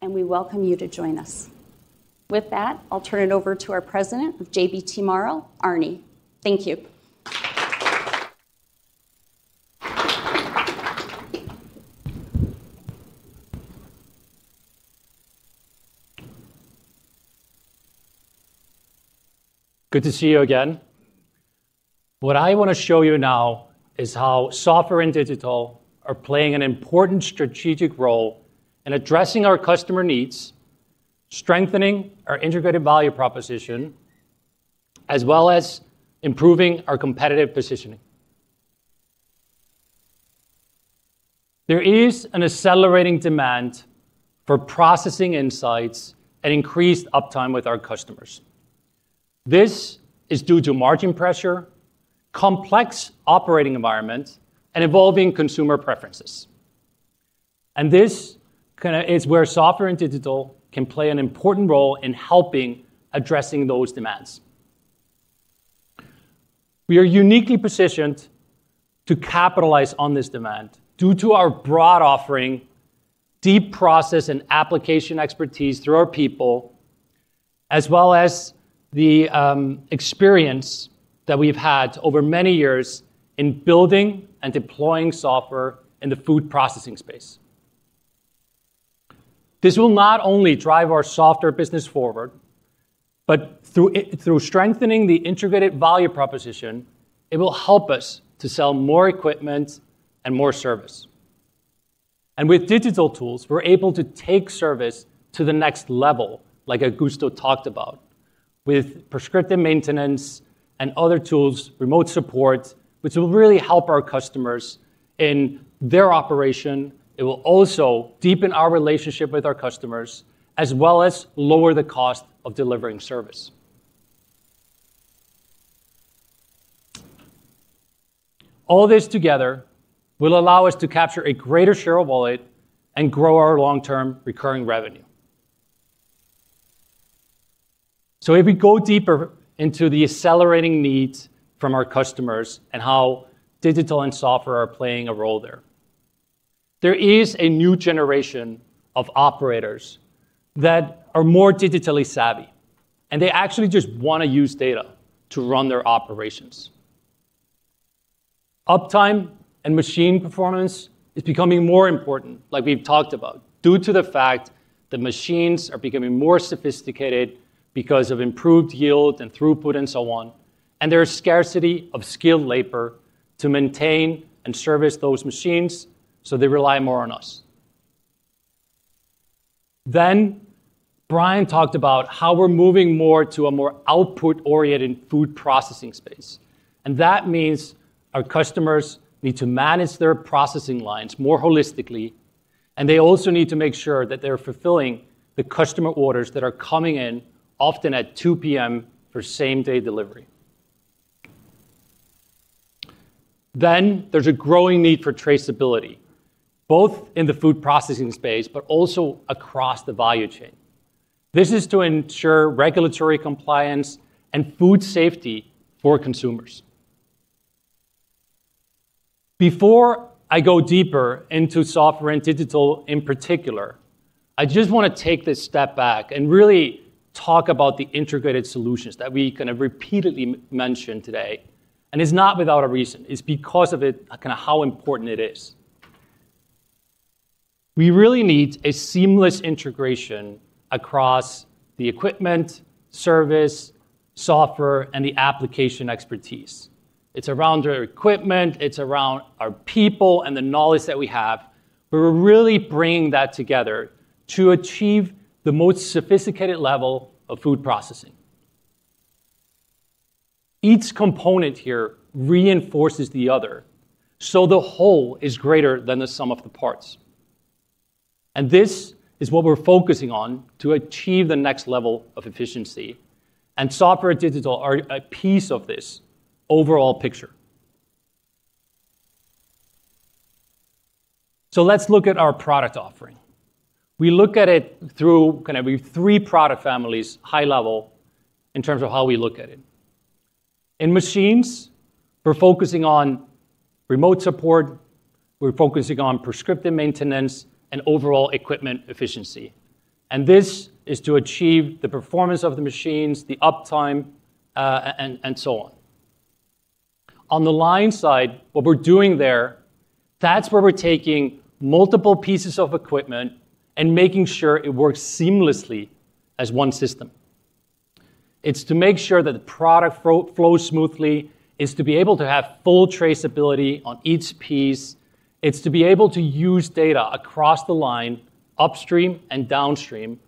and we welcome you to join us. With that, I'll turn it over to our President of JBT Marel, Arni. Thank you. Good to see you again. What I wanna show you now is how software and digital are playing an important strategic role in addressing our customer needs, strengthening our integrated value proposition, as well as improving our competitive positioning. There is an accelerating demand for processing insights and increased uptime with our customers. This is due to margin pressure, complex operating environment, and evolving consumer preferences. This kinda is where software and digital can play an important role in helping addressing those demands. We are uniquely positioned to capitalize on this demand due to our broad offering, deep process and application expertise through our people, as well as the experience that we've had over many years in building and deploying software in the food processing space. This will not only drive our software business forward, but through strengthening the integrated value proposition, it will help us to sell more equipment and more service. With digital tools, we're able to take service to the next level, like Augusto talked about, with prescriptive maintenance and other tools, remote support, which will really help our customers in their operation. It will also deepen our relationship with our customers, as well as lower the cost of delivering service. All this together will allow us to capture a greater share of wallet and grow our long-term recurring revenue. If we go deeper into the accelerating needs from our customers and how digital and software are playing a role there. There is a new generation of operators that are more digitally savvy, and they actually just wanna use data to run their operations. Uptime and machine performance is becoming more important, like we've talked about, due to the fact that machines are becoming more sophisticated because of improved yield and throughput and so on, and there's scarcity of skilled labor to maintain and service those machines, so they rely more on us. Brian talked about how we're moving more to a more output-oriented food processing space. That means our customers need to manage their processing lines more holistically, and they also need to make sure that they're fulfilling the customer orders that are coming in often at 2:00 P.M. for same-day delivery. There's a growing need for traceability, both in the food processing space, but also across the value chain. This is to ensure regulatory compliance and food safety for consumers. Before I go deeper into software and digital in particular, I just wanna take this step back and really talk about the integrated solutions that we kinda repeatedly mentioned today, and it's not without a reason. It's because of it, kinda how important it is. We really need a seamless integration across the equipment, service, software, and the application expertise. It's around our equipment, it's around our people and the knowledge that we have, but we're really bringing that together to achieve the most sophisticated level of food processing. Each component here reinforces the other, so the whole is greater than the sum of the parts. This is what we're focusing on to achieve the next level of efficiency, and software and digital are a piece of this overall picture. Let's look at our product offering. We look at it through kind of we have three product families, high level, in terms of how we look at it. In machines, we're focusing on remote support, we're focusing on prescriptive maintenance and overall equipment efficiency, and this is to achieve the performance of the machines, the uptime, and so on. On the line side, what we're doing there, that's where we're taking multiple pieces of equipment and making sure it works seamlessly as one system. It's to make sure that the product flow flows smoothly. It's to be able to have full traceability on each piece. It's to be able to use data across the line, upstream and downstream,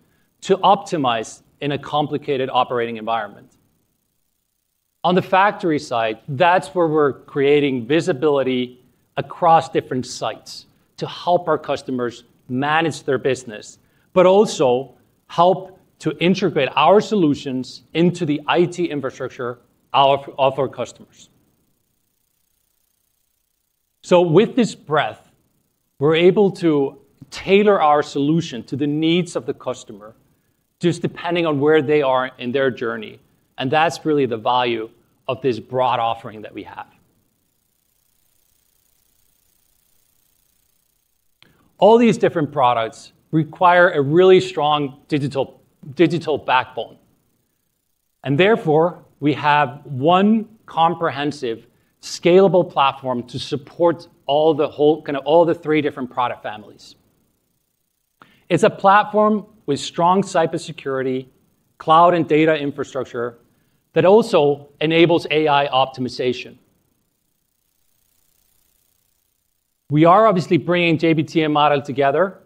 to optimize in a complicated operating environment. On the factory side, that's where we're creating visibility across different sites to help our customers manage their business, but also help to integrate our solutions into the IT infrastructure of our customers. With this breadth, we're able to tailor our solution to the needs of the customer, just depending on where they are in their journey, and that's really the value of this broad offering that we have. All these different products require a really strong digital backbone. Therefore, we have one comprehensive, scalable platform to support all the kinda all the three different product families. It's a platform with strong cybersecurity, cloud, and data infrastructure that also enables AI optimization. We are obviously bringing JBT and Marel together,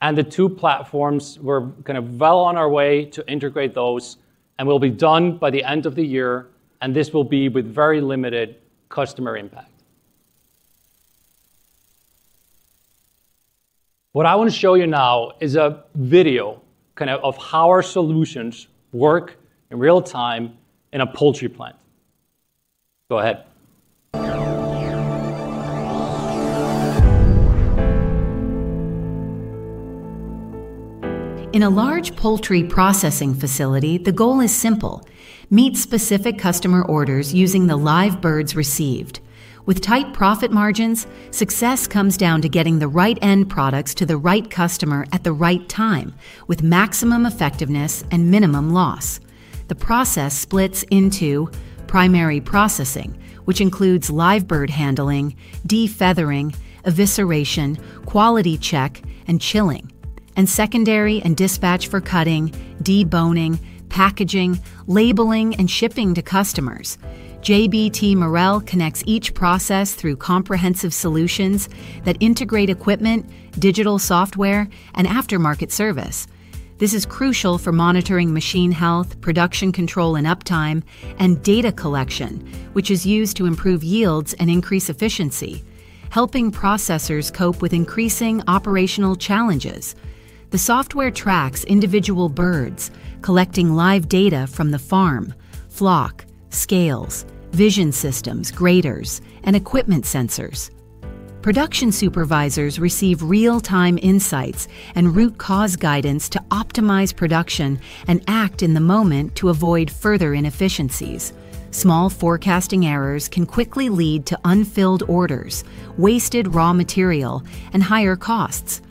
and the two platforms we're kinda well on our way to integrate those and will be done by the end of the year, and this will be with very limited customer impact. What I wanna show you now is a video kinda of how our solutions work in real-time in a poultry plant. Go ahead. In a large poultry processing facility, the goal is simple: meet specific customer orders using the live birds received. With tight profit margins, success comes down to getting the right end products to the right customer at the right time with maximum effectiveness and minimum loss. The process splits into primary processing, which includes live bird handling, defeathering, evisceration, quality-check, and chilling, and secondary and dispatch for cutting, deboning, packaging, labeling, and shipping to customers. JBT Marel connects each process through comprehensive solutions that integrate equipment, digital software, and aftermarket service. This is crucial for monitoring machine health, production control and uptime, and data collection, which is used to improve yields and increase efficiency, helping processors cope with increasing operational challenges. The software tracks individual birds, collecting live data from the farm, flock, scales, vision systems, graders, and equipment sensors. Production supervisors receive real-time insights and root cause guidance to optimize production and act in the moment to avoid further inefficiencies. Small forecasting errors can quickly lead to unfilled orders, wasted raw material, and higher costs.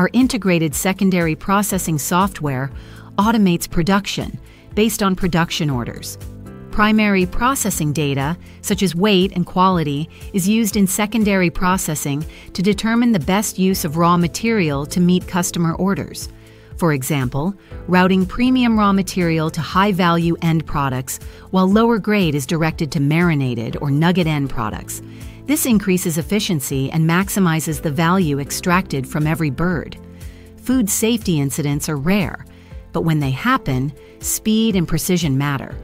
Our integrated secondary processing software automates production based on production orders. Primary processing data, such as weight and quality, is used in secondary processing to determine the best use of raw material to meet customer orders. For example, routing premium raw material to high-value end products while lower grade is directed to marinated or nugget end products. This increases efficiency and maximizes the value extracted from every bird. Food safety incidents are rare, but when they happen, speed and precision matter.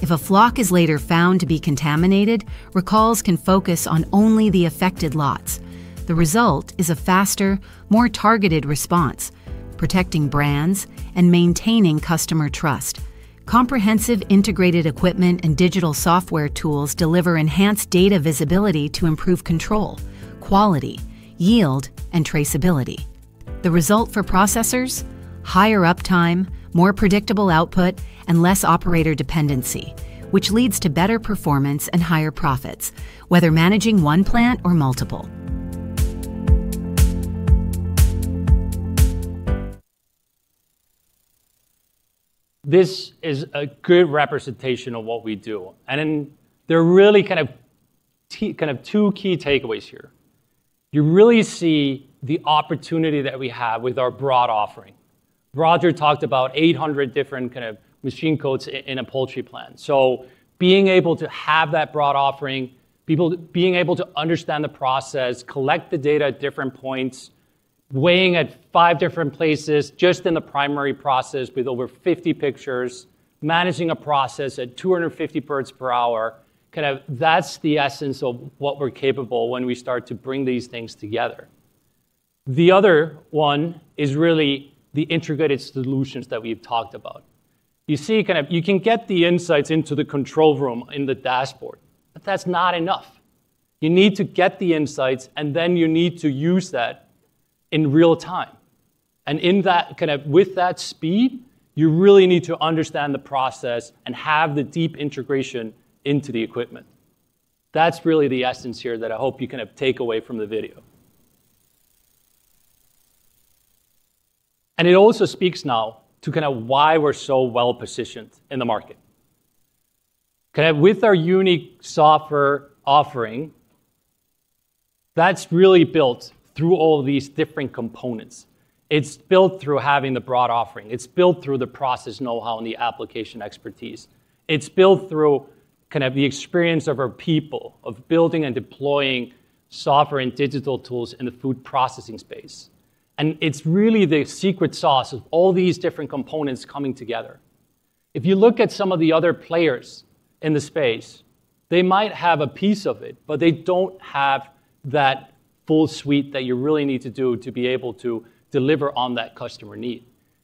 If a flock is later found to be contaminated, recalls can focus on only the affected lots. The result is a faster, more targeted response, protecting brands and maintaining customer trust. Comprehensive integrated equipment and digital software tools deliver enhanced data visibility to improve control, quality, yield, and traceability. The result for processors, higher uptime, more predictable output, and less operator dependency, which leads to better performance and higher profits, whether managing one plant or multiple. This is a good representation of what we do, and then there are really kind of two key takeaways here. You really see the opportunity that we have with our broad offering. Roger talked about 800 different kind of machine codes in a poultry plant. Being able to have that broad offering, being able to understand the process, collect the data at different points, weighing at five different places just in the primary process with over 50 pictures, managing a process at 250 birds per hour, kind of that's the essence of what we're capable when we start to bring these things together. The other one is really the integrated solutions that we've talked about. You see kind of you can get the insights into the control room in the dashboard, but that's not enough. You need to get the insights, and then you need to use that in real-time. In that, kinda with that speed, you really need to understand the process and have the deep integration into the equipment. That's really the essence here that I hope you kinda take away from the video. It also speaks now to kinda why we're so well-positioned in the market. Kinda with our unique software offering, that's really built through all of these different components. It's built through having the broad offering. It's built through the process know-how and the application expertise. It's built through kinda the experience of our people of building and deploying software and digital tools in the food processing space. It's really the secret sauce of all these different components coming together. If you look at some of the other players in the space, they might have a piece of it, but they don't have that full suite that you really need to do to be able to deliver on that customer need.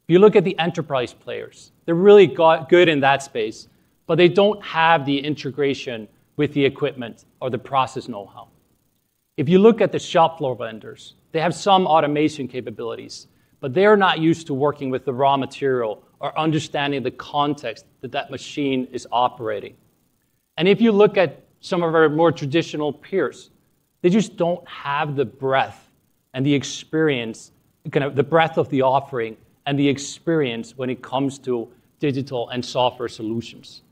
If you look at the enterprise players, they're really good in that space, but they don't have the integration with the equipment or the process know-how. If you look at the shop floor vendors, they have some automation capabilities, but they're not used to working with the raw material or understanding the context that that machine is operating. If you look at some of our more traditional peers, they just don't have the breadth and the experience, kind of the breadth of the offering and the experience when it comes to digital and software solutions.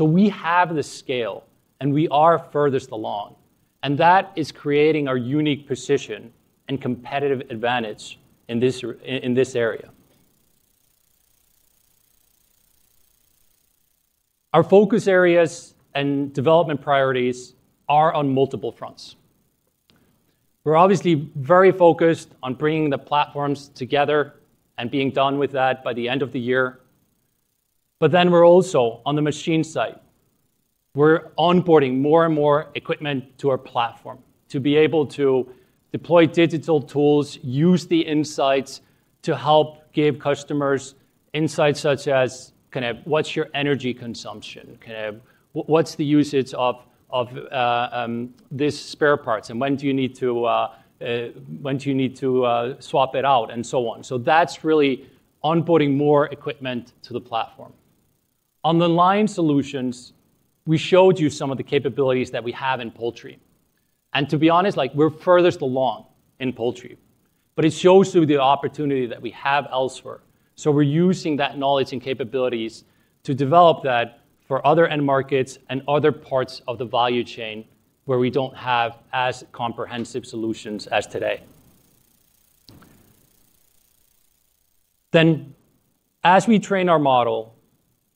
We have the scale, and we are furthest along, and that is creating our unique position and competitive advantage in this area. Our focus areas and development priorities are on multiple fronts. We're obviously very focused on bringing the platforms together and being done with that by the end of the year. We're also on the machine side. We're onboarding more and more equipment to our platform to be able to deploy digital tools, use the insights to help give customers insights such as kind of what's your energy consumption? Kind of what's the usage of these spare parts, and when do you need to swap it out and so on. That's really onboarding more equipment to the platform. Inline solutions, we showed you some of the capabilities that we have in poultry. To be honest, like, we're furthest along in poultry, but it shows you the opportunity that we have elsewhere. We're using that knowledge and capabilities to develop that for other end markets and other parts of the value chain where we don't have as comprehensive solutions as today. As we train our model,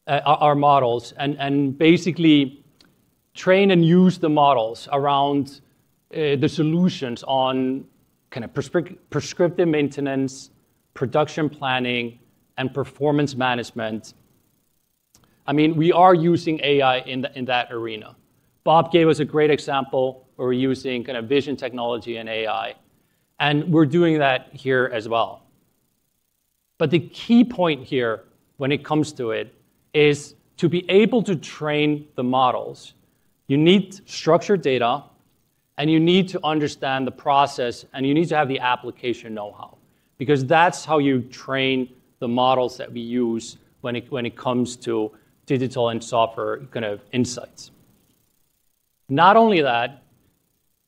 our models and basically train and use the models around the solutions on kind of prescriptive maintenance, production planning, and performance management, I mean, we are using AI in that arena. Bob gave us a great example where we're using kind of vision technology and AI, and we're doing that here as well. The key point here when it comes to it is to be able to train the models. You need structured data, and you need to understand the process, and you need to have the application know-how because that's how you train the models that we use when it comes to digital and software kind of insights. Not only that,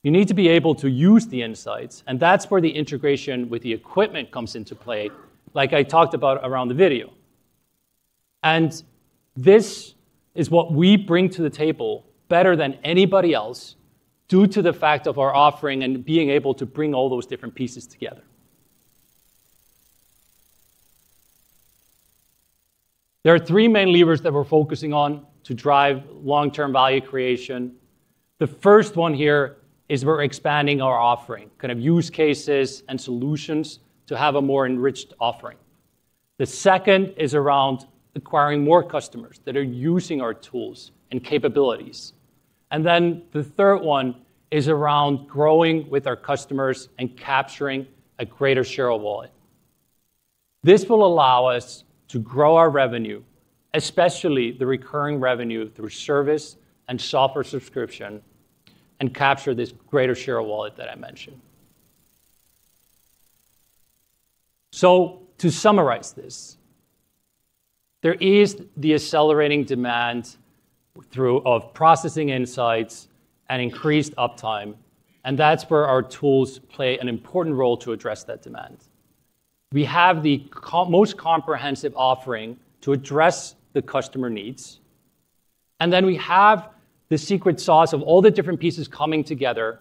you need to be able to use the insights, and that's where the integration with the equipment comes into play like I talked about around the video. This is what we bring to the table better than anybody else due to the fact of our offering and being able to bring all those different pieces together. There are three main levers that we're focusing on to drive long-term value creation. The first one here is we're expanding our offering, kind of use cases and solutions to have a more enriched offering. The second is around acquiring more customers that are using our tools and capabilities. The third one is around growing with our customers and capturing a greater share of wallet. This will allow us to grow our revenue, especially the recurring revenue through service and software subscription, and capture this greater share of wallet that I mentioned. To summarize this, there is the accelerating demand of processing insights and increased uptime, and that's where our tools play an important role to address that demand. We have the most comprehensive offering to address the customer needs. Then we have the secret sauce of all the different pieces coming together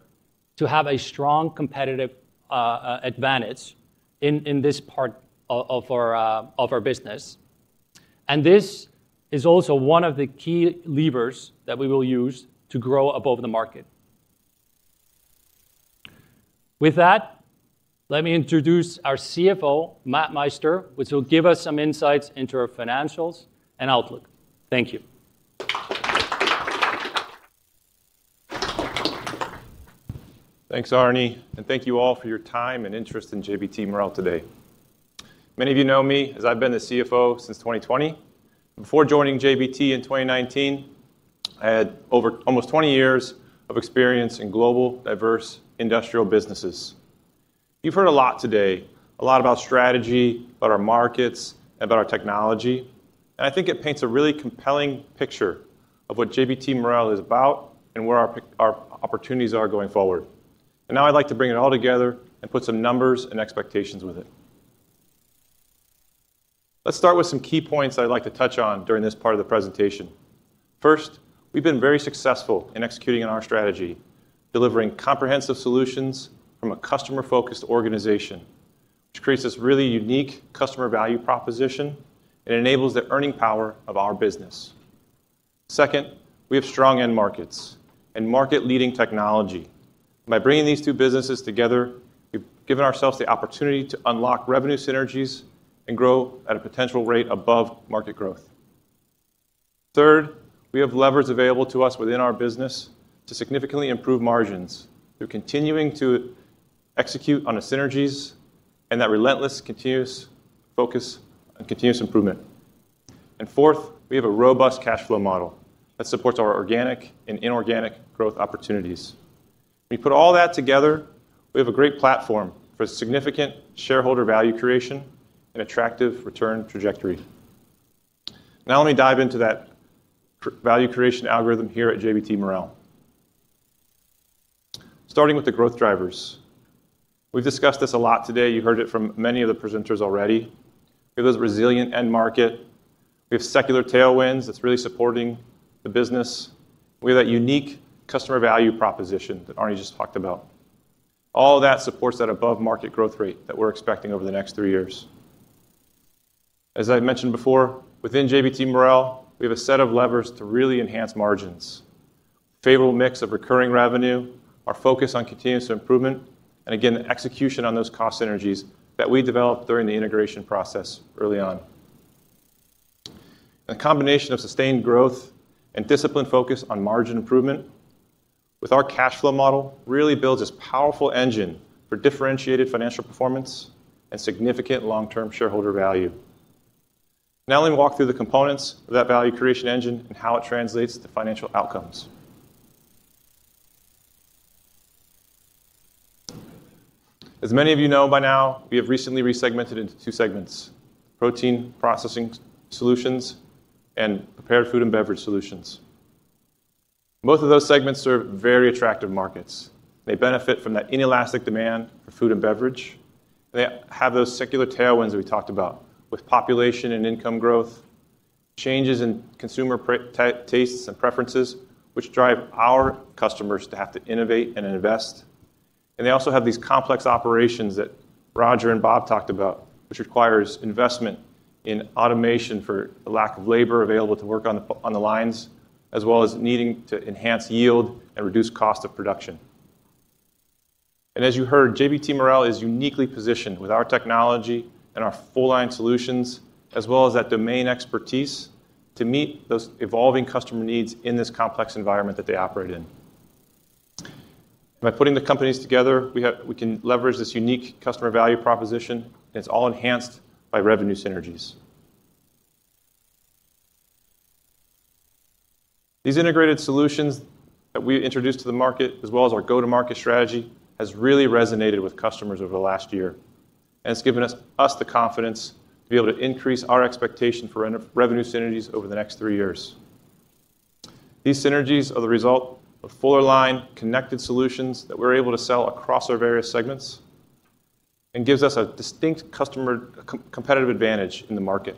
to have a strong competitive advantage in this part of our business. This is also one of the key levers that we will use to grow above the market. With that, let me introduce our CFO, Matthew Meister, who will give us some insights into our financials and outlook. Thank you. Thanks, Arni, and thank you all for your time and interest in JBT Marel today. Many of you know me as I've been the CFO since 2020. Before joining JBT in 2019, I had over almost 20 years of experience in global diverse industrial businesses. You've heard a lot today about strategy, about our markets, about our technology, and I think it paints a really compelling picture of what JBT Marel is about and where our opportunities are going forward. Now I'd like to bring it all together and put some numbers and expectations with it. Let's start with some key points I'd like to touch on during this part of the presentation. First, we've been very successful in executing on our strategy, delivering comprehensive solutions from a customer-focused organization, which creates this really unique customer value proposition and enables the earning power of our business. Second, we have strong end markets and market-leading technology. By bringing these two businesses together, we've given ourselves the opportunity to unlock revenue synergies and grow at a potential rate above market growth. Third, we have levers available to us within our business to significantly improve margins through continuing to execute on the synergies and that relentless continuous focus on continuous improvement. Fourth, we have a robust cash flow model that supports our organic and inorganic growth opportunities. We put all that together, we have a great platform for significant shareholder value creation and attractive return trajectory. Now let me dive into that value creation algorithm here at JBT Marel. Starting with the growth drivers. We've discussed this a lot today. You heard it from many of the presenters already. We have those resilient end markets. We have secular tailwinds that's really supporting the business. We have that unique customer value proposition that Arni just talked about. All that supports that above-market growth rate that we're expecting over the next three years. As I mentioned before, within JBT Marel, we have a set of levers to really enhance margins. Favorable mix of recurring revenue, our focus on continuous improvement, and again, the execution on those cost synergies that we developed during the integration process early on. The combination of sustained growth and disciplined focus on margin improvement with our cash flow model really builds this powerful engine for differentiated financial performance and significant long-term shareholder value. Now let me walk through the components of that value creation engine and how it translates to financial outcomes. As many of you know by now, we have recently resegmented into two segments, Protein Processing Solutions and Prepared Food and Beverage Solutions. Both of those segments serve very attractive markets. They benefit from that inelastic demand for food and beverage. They have those secular tailwinds that we talked about with population and income growth, changes in consumer tastes and preferences, which drive our customers to have to innovate and invest. They also have these complex operations that Roger and Bob talked about, which requires investment in automation for the lack of labor available to work on the lines, as well as needing to enhance yield and reduce cost of production. As you heard, JBT Marel is uniquely positioned with our technology and our full line solutions, as well as that domain expertise to meet those evolving customer needs in this complex environment that they operate in. By putting the companies together, we can leverage this unique customer value proposition, and it's all enhanced by revenue synergies. These integrated solutions that we introduced to the market, as well as our go-to-market strategy, has really resonated with customers over the last year and has given us the confidence to be able to increase our expectation for revenue synergies over the next three years. These synergies are the result of full line connected solutions that we're able to sell across our various segments and gives us a distinct customer competitive advantage in the market.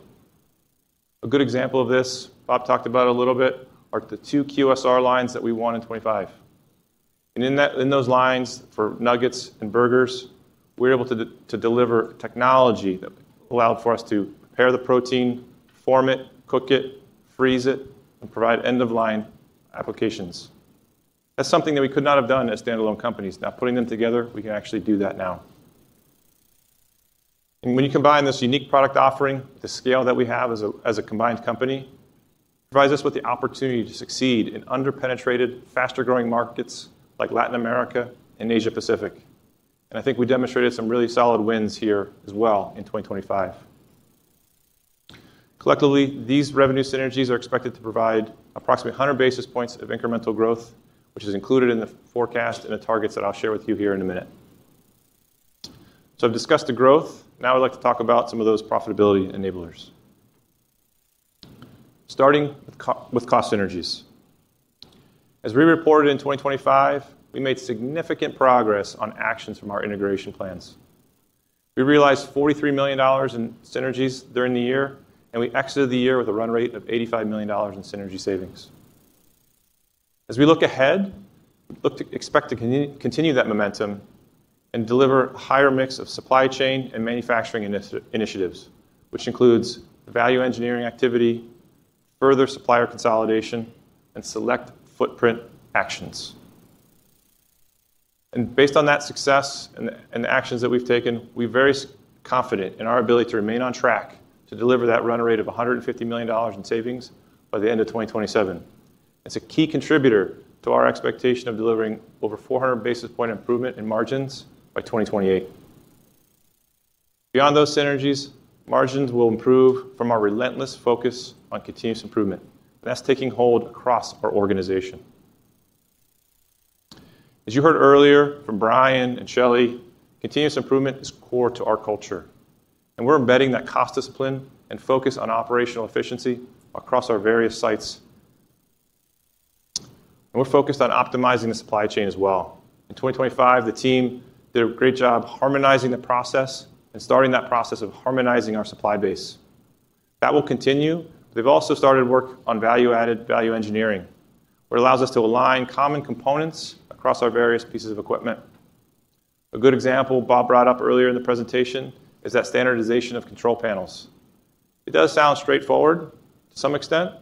A good example of this, Bob talked about a little bit, are the two QSR lines that we won in 2025. In that, in those lines for nuggets and burgers, we're able to deliver technology that allowed for us to prepare the protein, form it, cook it, freeze it, and provide end-of-line applications. That's something that we could not have done as standalone companies. Now, putting them together, we can actually do that now. When you combine this unique product offering, the scale that we have as a combined company, it provides us with the opportunity to succeed in under-penetrated, faster-growing markets like Latin America and Asia-Pacific. I think we demonstrated some really solid wins here as well in 2025. Collectively, these revenue synergies are expected to provide approximately 100 basis points of incremental growth, which is included in the forecast and the targets that I'll share with you here in a minute. I've discussed the growth. Now I'd like to talk about some of those profitability enablers. Starting with cost synergies. As we reported in 2025, we made significant progress on actions from our integration plans. We realized $43 million in synergies during the year, and we exited the year with a run-rate of $85 million in synergy savings. As we look ahead, we look to expect to continue that momentum and deliver higher mix of supply chain and manufacturing initiatives, which includes value engineering activity, further supplier consolidation, and select footprint actions. Based on that success and the actions that we've taken, we're very confident in our ability to remain on track to deliver that run-rate of $150 million in savings by the end of 2027. It's a key contributor to our expectation of delivering over 400 basis points improvement in margins by 2028. Beyond those synergies, margins will improve from our relentless focus on continuous improvement, and that's taking hold across our organization. As you heard earlier from Brian and Shelley, continuous improvement is core to our culture, and we're embedding that cost discipline and focus on operational efficiency across our various sites. We're focused on optimizing the supply chain as well. In 2025, the team did a great job harmonizing the process and starting that process of harmonizing our supply base. That will continue. They've also started work on Value-Added/Value Engineering, where it allows us to align common components across our various pieces of equipment. A good example Bob brought up earlier in the presentation is the standardization of control panels. It does sound straightforward to some extent,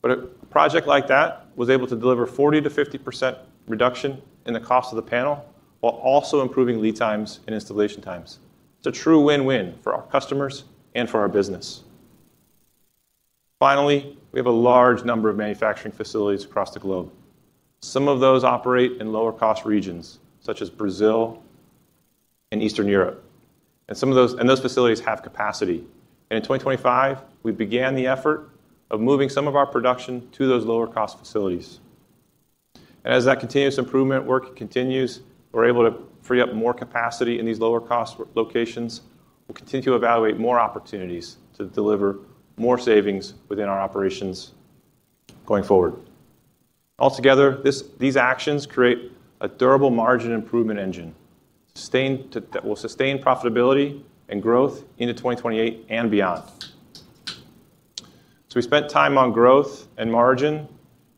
but a project like that was able to deliver 40%-50% reduction in the cost of the panel while also improving lead times and installation times. It's a true win-win for our customers and for our business. Finally, we have a large number of manufacturing facilities across the globe. Some of those operate in lower-cost regions, such as Brazil, in Eastern Europe. Those facilities have capacity. In 2025, we began the effort of moving some of our production to those lower-cost facilities. As that continuous improvement work continues, we're able to free up more capacity in these lower-cost locations. We'll continue to evaluate more opportunities to deliver more savings within our operations going forward. Altogether, these actions create a durable margin improvement engine that will sustain profitability and growth into 2028 and beyond. We spent time on growth and margin.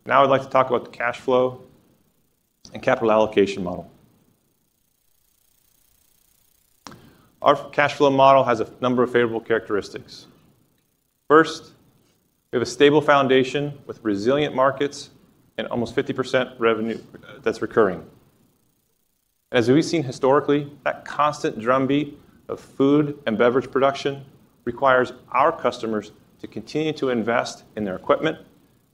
Now I'd like to talk about the cash flow and capital allocation model. Our cash flow model has a number of favorable characteristics. First, we have a stable foundation with resilient markets and almost 50% revenue that's recurring. As we've seen historically, that constant drumbeat of food and beverage production requires our customers to continue to invest in their equipment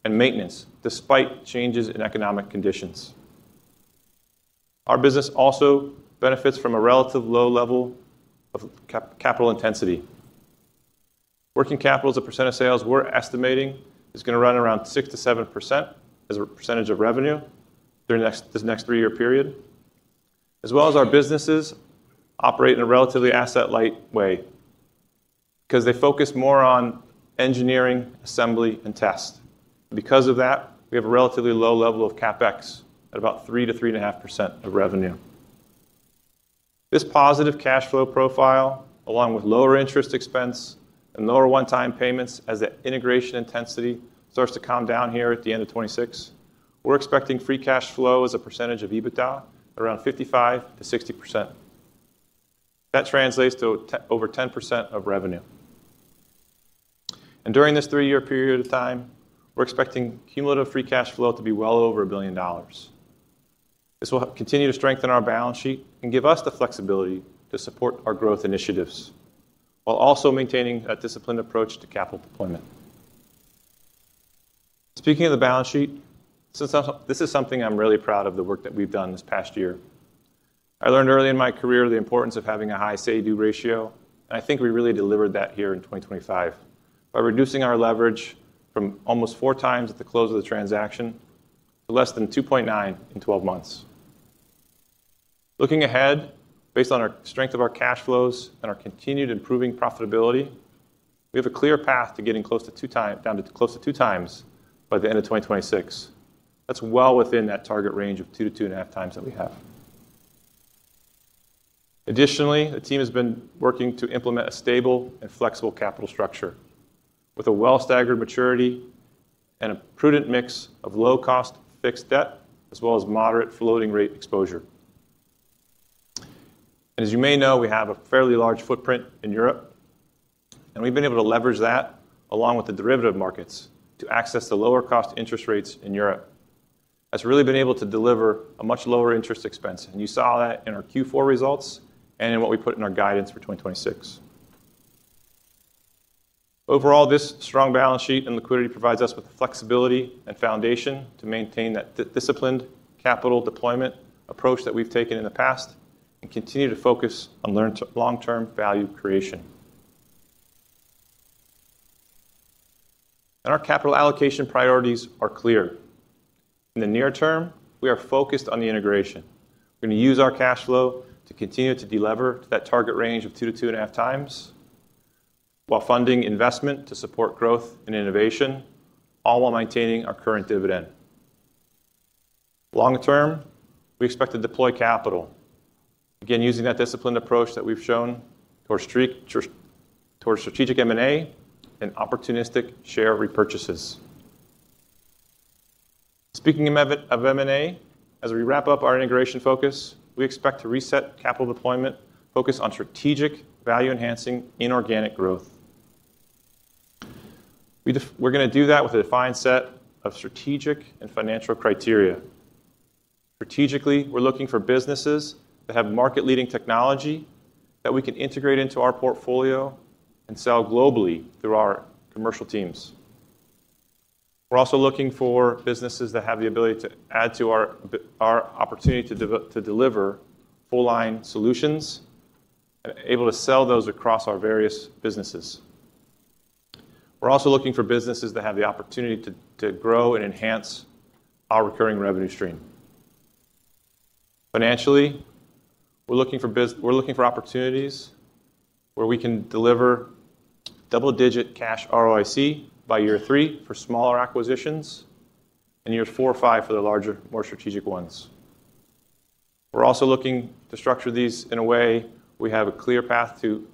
and maintenance despite changes in economic conditions. Our business also benefits from a relatively low level of capital intensity. Working capital as a percent of sales we're estimating is gonna run around 6%-7% as a percentage of revenue during this next three-year period, as well as our businesses operate in a relatively asset-light way because they focus more on engineering, assembly, and test. Because of that, we have a relatively low level of CapEx at about 3%-3.5% of revenue. This positive cash flow profile, along with lower interest expense and lower one-time payments as the integration intensity starts to calm down here at the end of 2026, we're expecting free cash flow as a percentage of EBITDA around 55%-60%. That translates to over 10% of revenue. During this three-year period of time, we're expecting cumulative free cash flow to be well over $1 billion. This will continue to strengthen our balance sheet and give us the flexibility to support our growth initiatives while also maintaining a disciplined approach to capital deployment. Speaking of the balance sheet, this is something I'm really proud of the work that we've done this past year. I learned early in my career the importance of having a high say-do ratio, and I think we really delivered that here in 2025 by reducing our leverage from almost 4x at the close of the transaction to less than 2.9x in 12 months. Looking ahead, based on our strength of our cash flows and our continued improving profitability, we have a clear path to getting down to close to 2x by the end of 2026. That's well within that target range of 2x-2.5x that we have. Additionally, the team has been working to implement a stable and flexible capital structure with a well-staggered maturity and a prudent mix of low-cost fixed debt as well as moderate floating rate exposure. As you may know, we have a fairly large footprint in Europe, and we've been able to leverage that along with the derivative markets to access the lower cost interest rates in Europe. That's really been able to deliver a much lower interest expense, and you saw that in our Q4 results and in what we put in our guidance for 2026. Overall, this strong balance sheet and liquidity provides us with the flexibility and foundation to maintain that disciplined capital deployment approach that we've taken in the past and continue to focus on long-term value creation. Our capital allocation priorities are clear. In the near term, we are focused on the integration. We're gonna use our cash flow to continue to delever to that target range of 2x-2.5x while funding investment to support growth and innovation, all while maintaining our current dividend. Long term, we expect to deploy capital, again, using that disciplined approach that we've shown toward strategic M&A and opportunistic share repurchases. Speaking of M&A, as we wrap up our integration focus, we expect to reset capital deployment, focus on strategic value-enhancing inorganic growth. We're gonna do that with a defined set of strategic and financial criteria. Strategically, we're looking for businesses that have market-leading technology that we can integrate into our portfolio and sell globally through our commercial teams. We're also looking for businesses that have the ability to add to our opportunity to deliver full-line solutions, able to sell those across our various businesses. We're also looking for businesses that have the opportunity to grow and enhance our recurring revenue stream. Financially, we're looking for opportunities where we can deliver double-digit cash ROIC by year three for smaller acquisitions and year four or five for the larger, more strategic ones. We're also looking to structure these in a way we have a clear path to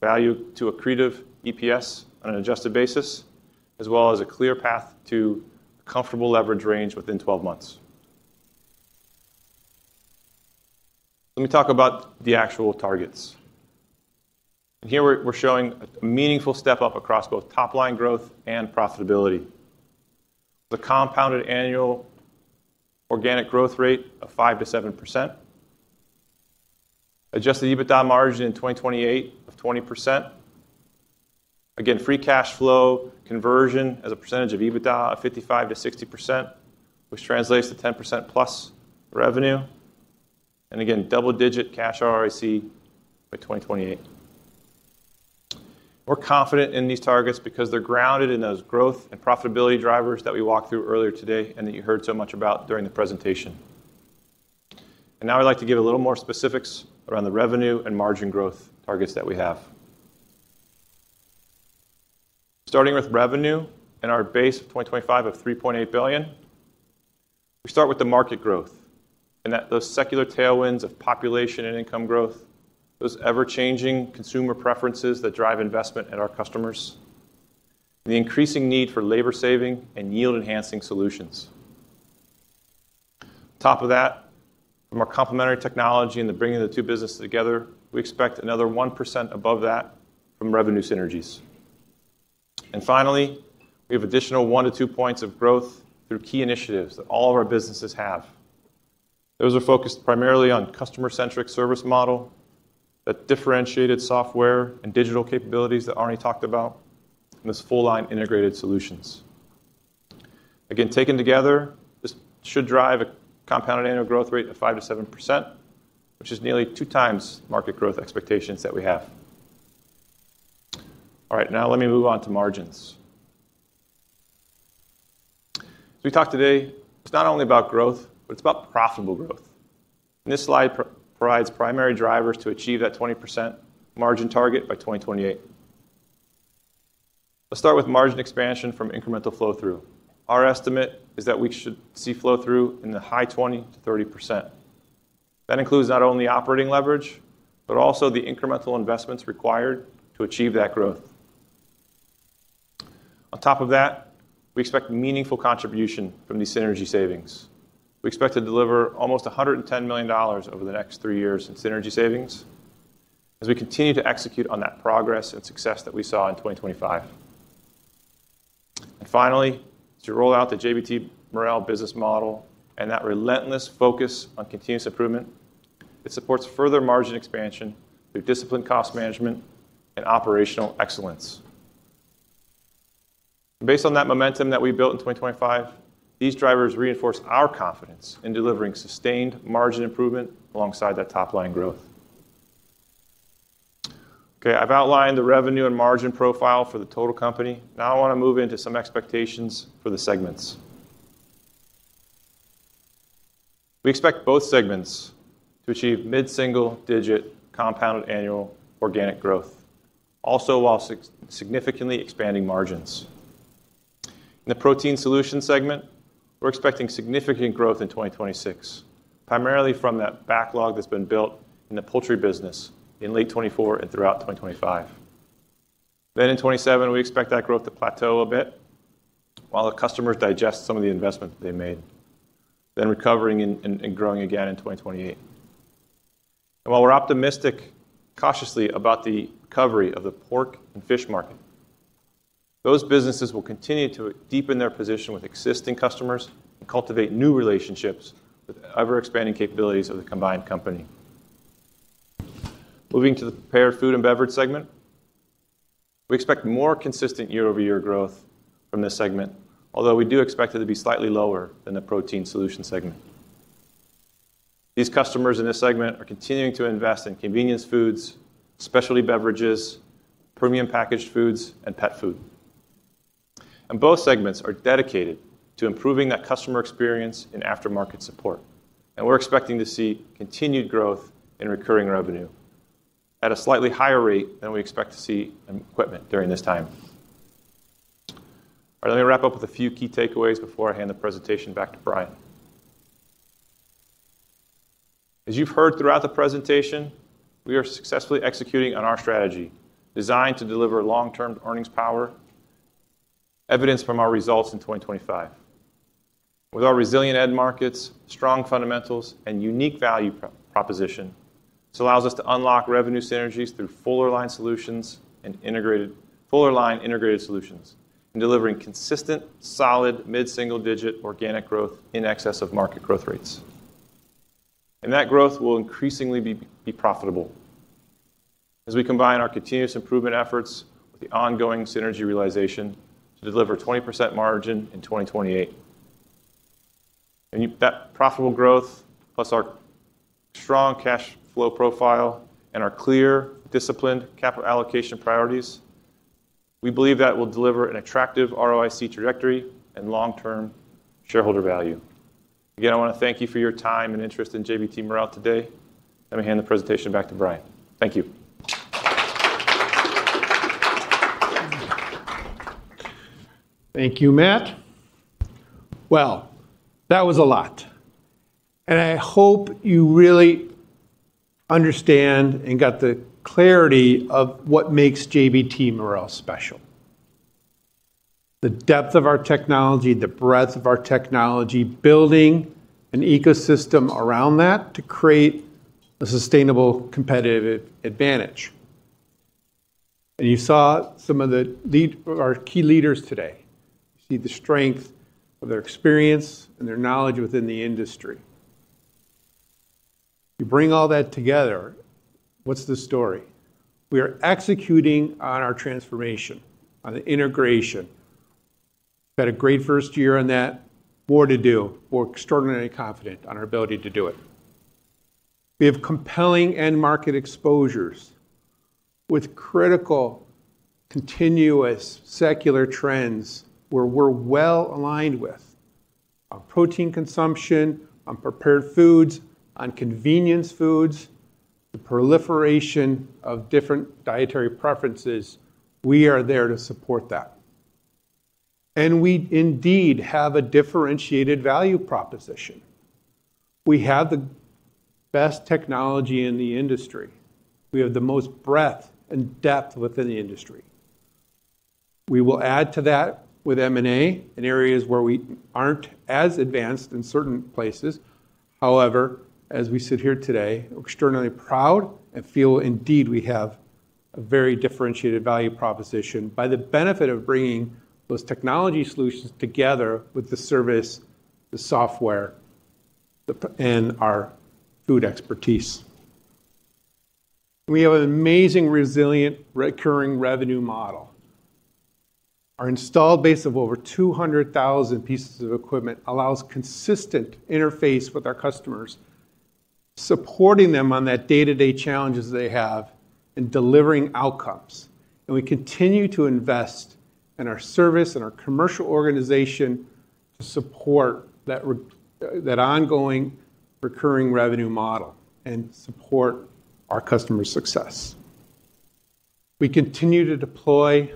value to accretive EPS on an adjusted basis as well as a clear path to comfortable leverage range within 12 months. Let me talk about the actual targets. Here we're showing a meaningful step up across both top-line growth and profitability. The compound annual organic growth rate of 5%-7%, Adjusted EBITDA margin in 2028 of 20%. Again, free cash flow conversion as a percentage of EBITDA of 55%-60%, which translates to 10%+ revenue. again, double-digit cash ROIC by 2028. We're confident in these targets because they're grounded in those growth and profitability drivers that we walked through earlier today and that you heard so much about during the presentation. now I'd like to give a little more specifics around the revenue and margin growth targets that we have. Starting with revenue and our base of 2025 of $3.8 billion, we start with the market growth and those secular tailwinds of population and income growth, those ever-changing consumer preferences that drive investment in our customers, the increasing need for labor-saving and yield-enhancing solutions. On top of that, from our complementary technology and the bringing of the two businesses together, we expect another 1% above that from revenue synergies. Finally, we have additional 1-2 points of growth through key initiatives that all of our businesses have. Those are focused primarily on customer-centric service model, that differentiated software and digital capabilities that Arni talked about, and this full-line integrated solutions. Again, taken together, this should drive a compounded annual growth rate of 5%-7%, which is nearly 2x market growth expectations that we have. All right, now let me move on to margins. As we talked today, it's not only about growth, but it's about profitable growth. This slide provides primary drivers to achieve that 20% margin target by 2028. Let's start with margin expansion from incremental flow-through. Our estimate is that we should see flow-through in the high 20%-30%. That includes not only operating leverage, but also the incremental investments required to achieve that growth. On top of that, we expect meaningful contribution from these synergy savings. We expect to deliver almost $110 million over the next three years in synergy savings as we continue to execute on that progress and success that we saw in 2025. Finally, as you roll out the JBT Marel business model and that relentless focus on continuous improvement, it supports further margin expansion through disciplined cost management and operational excellence. Based on that momentum that we built in 2025, these drivers reinforce our confidence in delivering sustained margin improvement alongside that top-line growth. Okay, I've outlined the revenue and margin profile for the total company. Now I wanna move into some expectations for the segments. We expect both segments to achieve mid-single-digit compounded annual organic growth, also while significantly expanding margins. In the Protein Solutions segment, we're expecting significant growth in 2026, primarily from that backlog that's been built in the poultry business in late 2024 and throughout 2025. Then in 2027, we expect that growth to plateau a bit while the customers digest some of the investment that they made, then recovering and growing again in 2028. While we're optimistic cautiously about the recovery of the pork and fish market, those businesses will continue to deepen their position with existing customers and cultivate new relationships with the ever-expanding capabilities of the combined company. Moving to the Prepared Food and Beverage Segment, we expect more consistent year-over-year growth from this segment, although we do expect it to be slightly lower than the protein solutions segment. These customers in this segment are continuing to invest in convenience foods, specialty beverages, premium packaged foods, and pet food. Both segments are dedicated to improving that customer experience in aftermarket support, and we're expecting to see continued growth in recurring revenue at a slightly higher rate than we expect to see in equipment during this time. All right, let me wrap up with a few key takeaways before I hand the presentation back to Brian. As you've heard throughout the presentation, we are successfully executing on our strategy designed to deliver long-term earnings power, evidenced from our results in 2025. With our resilient end markets, strong fundamentals, and unique value proposition, this allows us to unlock revenue synergies through fuller line solutions and fuller line integrated solutions and delivering consistent, solid mid-single-digit organic growth in excess of market growth rates. That growth will increasingly be profitable as we combine our continuous improvement efforts with the ongoing synergy realization to deliver 20% margin in 2028. That profitable growth, plus our strong cash flow profile and our clear, disciplined capital allocation priorities, we believe that will deliver an attractive ROIC trajectory and long-term shareholder value. Again, I wanna thank you for your time and interest in JBT Marel today. Let me hand the presentation back to Brian. Thank you. Thank you, Matt. Well, that was a lot, and I hope you really understand and got the clarity of what makes JBT Marel special. The depth of our technology, the breadth of our technology, building an ecosystem around that to create a sustainable competitive advantage. You saw some of our key leaders today. You see the strength of their experience and their knowledge within the industry. You bring all that together, what's the story? We are executing on our transformation, on the integration. We've had a great first year on that. More to do. We're extraordinarily confident on our ability to do it. We have compelling end market exposures with critical continuous secular trends where we're well aligned with on protein consumption, on prepared foods, on convenience foods, the proliferation of different dietary preferences. We are there to support that. We indeed have a differentiated value proposition. We have the best technology in the industry. We have the most breadth and depth within the industry. We will add to that with M&A in areas where we aren't as advanced in certain places. However, as we sit here today, we're extraordinarily proud and feel indeed we have a very differentiated value proposition by the benefit of bringing those technology solutions together with the service, the software, and our food expertise. We have an amazing, resilient, recurring revenue model. Our installed base of over 200,000 pieces of equipment allows consistent interface with our customers, supporting them on that day-to-day challenges they have in delivering outcomes. We continue to invest in our service and our commercial organization to support that ongoing recurring revenue model and support our customers' success. We continue to deploy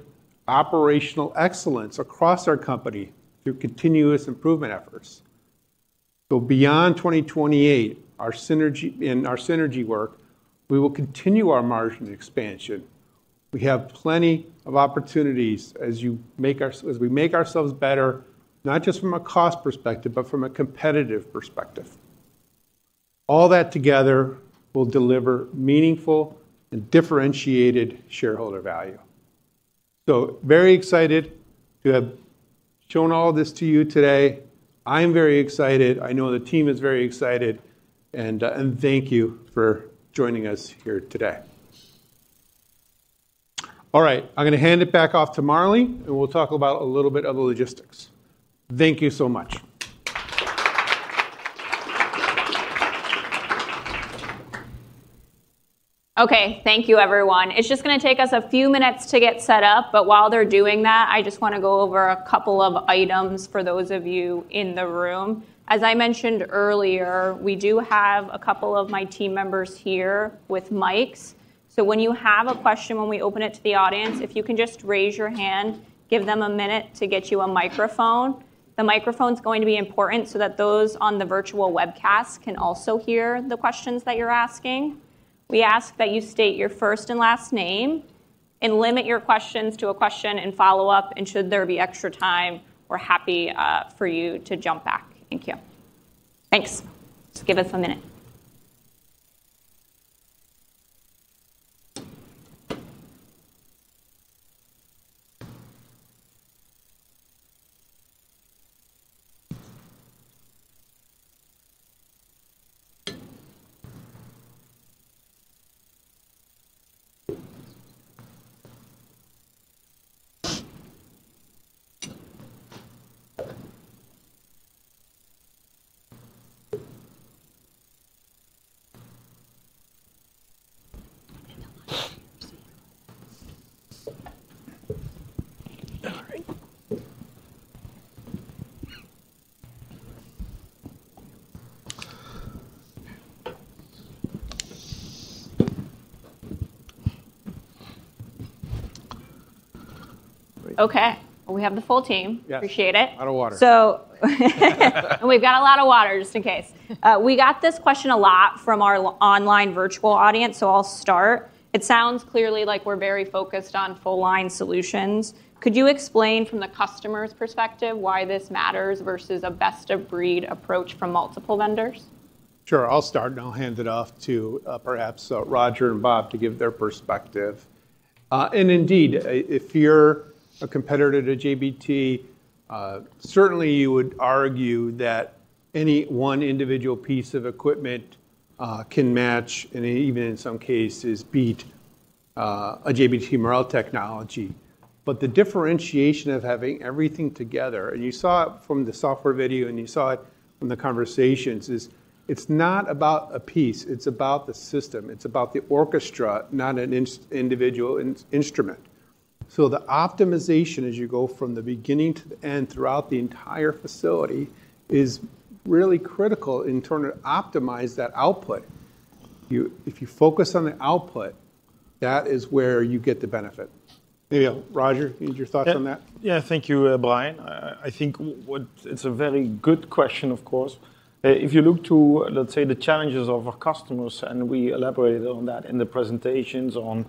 operational excellence across our company through continuous improvement efforts. Beyond 2028, our synergy, in our synergy work, we will continue our margin expansion. We have plenty of opportunities as we make ourselves better, not just from a cost perspective, but from a competitive perspective. All that together will deliver meaningful and differentiated shareholder value. Very excited to have shown all this to you today. I am very excited. I know the team is very excited and thank you for joining us here today. All right, I'm gonna hand it back off to Marlee, and we'll talk about a little bit of the logistics. Thank you so much. Okay. Thank you, everyone. It's just gonna take us a few minutes to get set up, but while they're doing that, I just wanna go over a couple of items for those of you in the room. As I mentioned earlier, we do have a couple of my team members here with mics. So when you have a question, when we open it to the audience, if you can just raise your hand, give them a minute to get you a microphone. The microphone's going to be important so that those on the virtual webcast can also hear the questions that you're asking. We ask that you state your first and last name, and limit your questions to a question and follow-up, and should there be extra time, we're happy for you to jump back. Thank you. Thanks. Just give us a minute. Okay. We have the full team. Yes. Appreciate it. A lot of water. We've got a lot of water, just in case. We got this question a lot from our online virtual audience, so I'll start. It sounds clearly like we're very focused on full line solutions. Could you explain from the customer's perspective why this matters versus a best of breed approach from multiple vendors? Sure. I'll start, and I'll hand it off to perhaps Roger and Bob to give their perspective. And indeed, if you're a competitor to JBT, certainly you would argue that any one individual piece of equipment can match and even in some cases beat a JBT Marel technology. But the differentiation of having everything together, and you saw it from the software video, and you saw it from the conversations, is it's not about a piece, it's about the system. It's about the orchestra, not an individual instrument. So the optimization as you go from the beginning to the end throughout the entire facility is really critical in trying to optimize that output. You, if you focus on the output, that is where you get the benefit. Yeah. Roger, need your thoughts on that. Yeah. Yeah. Thank you, Brian. I think it's a very good question, of course. If you look to, let's say, the challenges of our customers, and we elaborated on that in the presentations on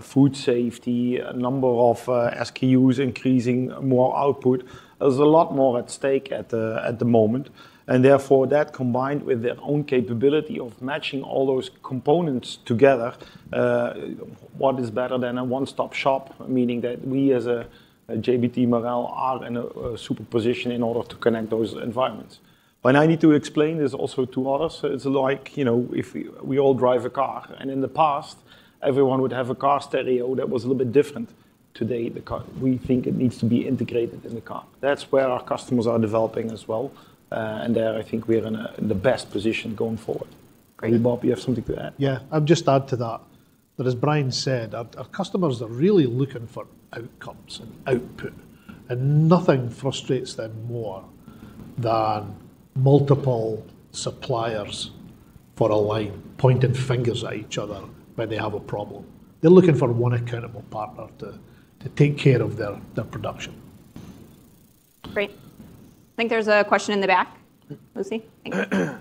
food safety, number of SKUs increasing, more output, there's a lot more at stake at the moment. Therefore, that combined with their own capability of matching all those components together, what is better than a one-stop shop? Meaning that we as a JBT Marel are in a superior position in order to connect those environments. When I need to explain this also to others, it's like, you know, if we all drive a car, and in the past, everyone would have a car stereo that was a little bit different. Today, the car, we think it needs to be integrated in the car. That's where our customers are developing as well. There, I think we're in the best position going forward. Bob, you have something to add? Yeah, I'll just add to that. As Brian said, our customers are really looking for outcomes and output, and nothing frustrates them more than multiple suppliers for a line pointing fingers at each other when they have a problem. They're looking for one accountable partner to take care of their production. Great. I think there's a question in the back. Lucy? Thanks.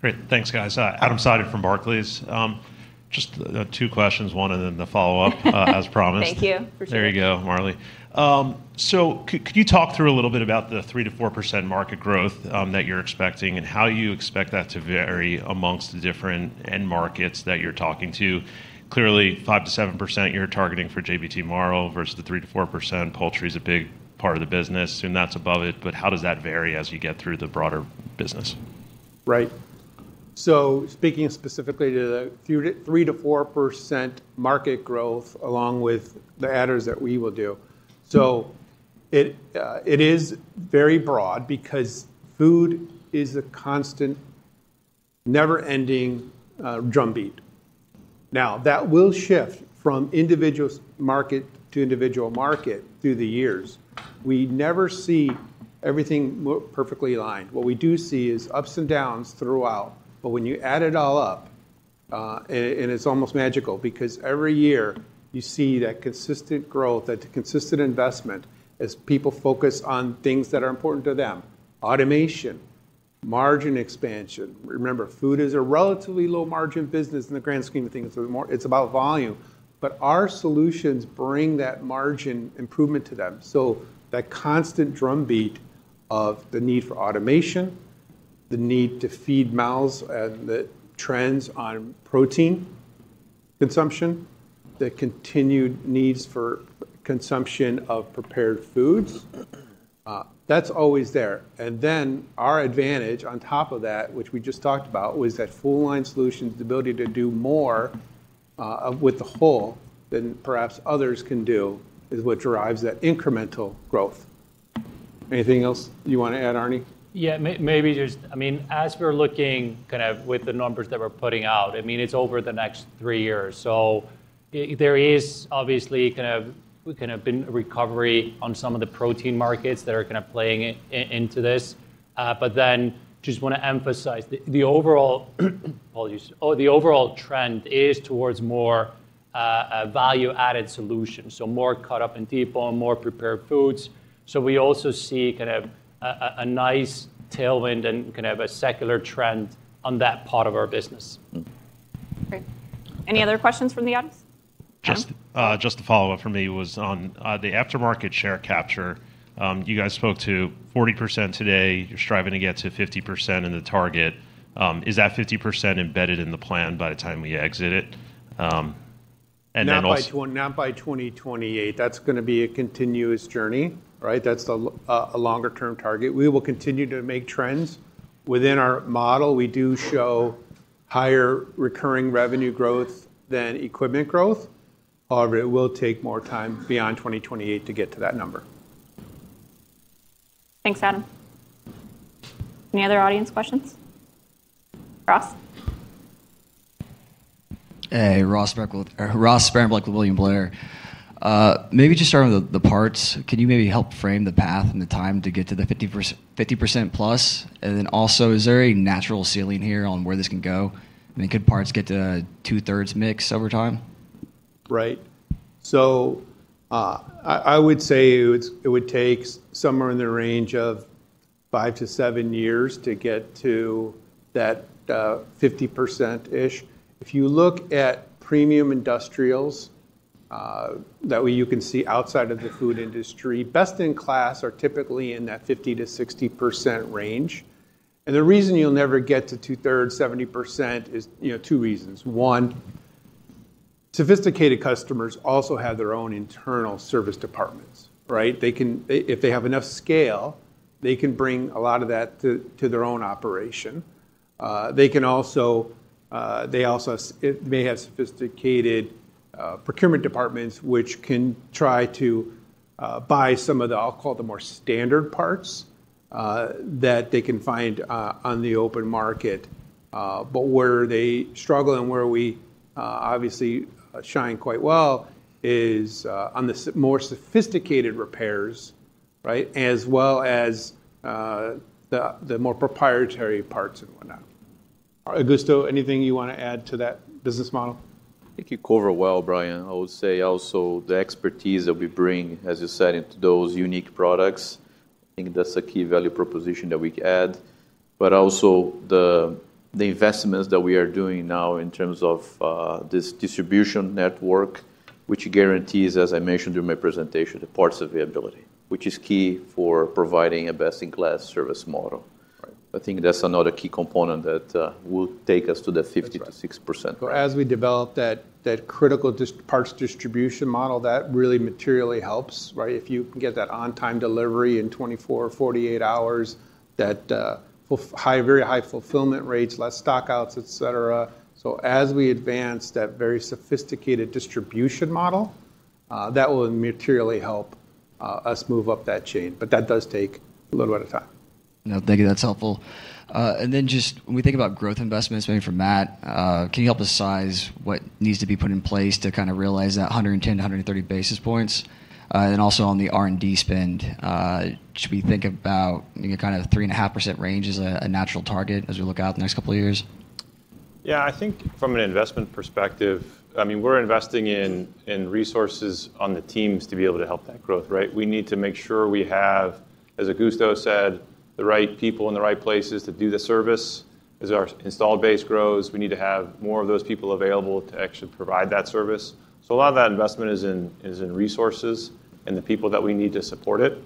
Great. Thanks, guys. Adam Seiden from Barclays. Just two questions, as promised. Thank you. Appreciate it. There you go, Marlee. So could you talk through a little bit about the 3%-4% market growth that you're expecting and how you expect that to vary among the different end markets that you're talking to? Clearly, 5%-7% you're targeting for JBT Marel versus the 3%-4%. Poultry's a big part of the business, assume that's above it, but how does that vary as you get through the broader business? Right. Speaking specifically to the 3%-4% market growth, along with the adders that we will do. It is very broad because food is a constant, never-ending drumbeat. That will shift from individual market to individual market through the years. We never see everything perfectly aligned. What we do see is ups and downs throughout, but when you add it all up, and it's almost magical because every year you see that consistent growth, that consistent investment as people focus on things that are important to them, automation, margin expansion. Remember, Food is a relatively low-margin business in the grand scheme of things. It's more about volume. Our solutions bring that margin improvement to them. That constant drumbeat of the need for automation, the need to feed mouths, and the trends on protein consumption, the continued needs for consumption of prepared foods, that's always there. Then our advantage on top of that, which we just talked about, was that full line solutions, the ability to do more, with the whole than perhaps others can do is what drives that incremental growth. Anything else you wanna add, Arni? Yeah. Maybe just, I mean, as we're looking kind of with the numbers that we're putting out, I mean, it's over the next three years. There is obviously kind of been a recovery on some of the protein markets that are kind of playing into this. Then just wanna emphasize the overall. Apologies. The overall trend is towards more value-added solutions, so more cut up and deeper, more prepared foods. We also see kind of a nice tailwind and kind of a secular trend on that part of our business. Great. Any other questions from the audience? Adam? Just to follow up for me on the aftermarket share capture. You guys spoke to 40% today. You're striving to get to 50% in the target. Is that 50% embedded in the plan by the time we exit it? Then also- Not by 2028. That's gonna be a continuous journey, right? That's a longer-term target. We will continue to make trends. Within our model, we do show higher recurring revenue growth than equipment growth. However, it will take more time beyond 2028 to get to that number. Thanks, Adam. Any other audience questions? Ross? Hey, Ross Sparenblek with William Blair. Maybe just starting with the parts, can you maybe help frame the path and the time to get to the 50%+? And then also, is there a natural ceiling here on where this can go? And could parts get to 2/3 mix over time? Right. I would say it would take somewhere in the range of five to seven years to get to that 50%ish. If you look at premium industrials, that way you can see outside of the food industry, best in class are typically in that 50%-60% range. The reason you'll never get to 2/3 70% is you know two reasons. One, sophisticated customers also have their own Internal Service departments, right? They, if they have enough scale, they can bring a lot of that to their own operation. They can also they also may have sophisticated Procurement departments which can try to buy some of the, I'll call it the more standard parts that they can find on the open market. where they struggle and where we obviously shine quite well is on the more sophisticated repairs, right? As well as the more proprietary parts and whatnot. Augusto, anything you wanna add to that business model? I think you cover it well, Brian. I would say also the expertise that we bring, as you said, into those unique products, I think that's a key value proposition that we add. Also the investments that we are doing now in terms of this distribution network, which guarantees, as I mentioned in my presentation, the parts availability, which is key for providing a best-in-class service model. Right. I think that's another key component that will take us to the 50%-60%. That's right. As we develop that critical parts distribution model, that really materially helps, right? If you can get that on-time delivery in 24-48 hours, that very high fulfillment rates, less stockouts, etc. As we advance that very sophisticated distribution model. That will materially help us move up that chain, but that does take a little bit of time. No, thank you. That's helpful. Just when we think about growth investments, maybe for Matt, can you help us size what needs to be put in place to kinda realize that 110-130 basis points? Also on the R&D spend, should we think about kind of 3.5% range as a natural target as we look out the next couple of years? Yeah. I think from an investment perspective, I mean, we're investing in resources on the teams to be able to help that growth, right? We need to make sure we have, as Augusto said, the right people in the right places to do the service. As our install base grows, we need to have more of those people available to actually provide that service. A lot of that investment is in resources and the people that we need to support it.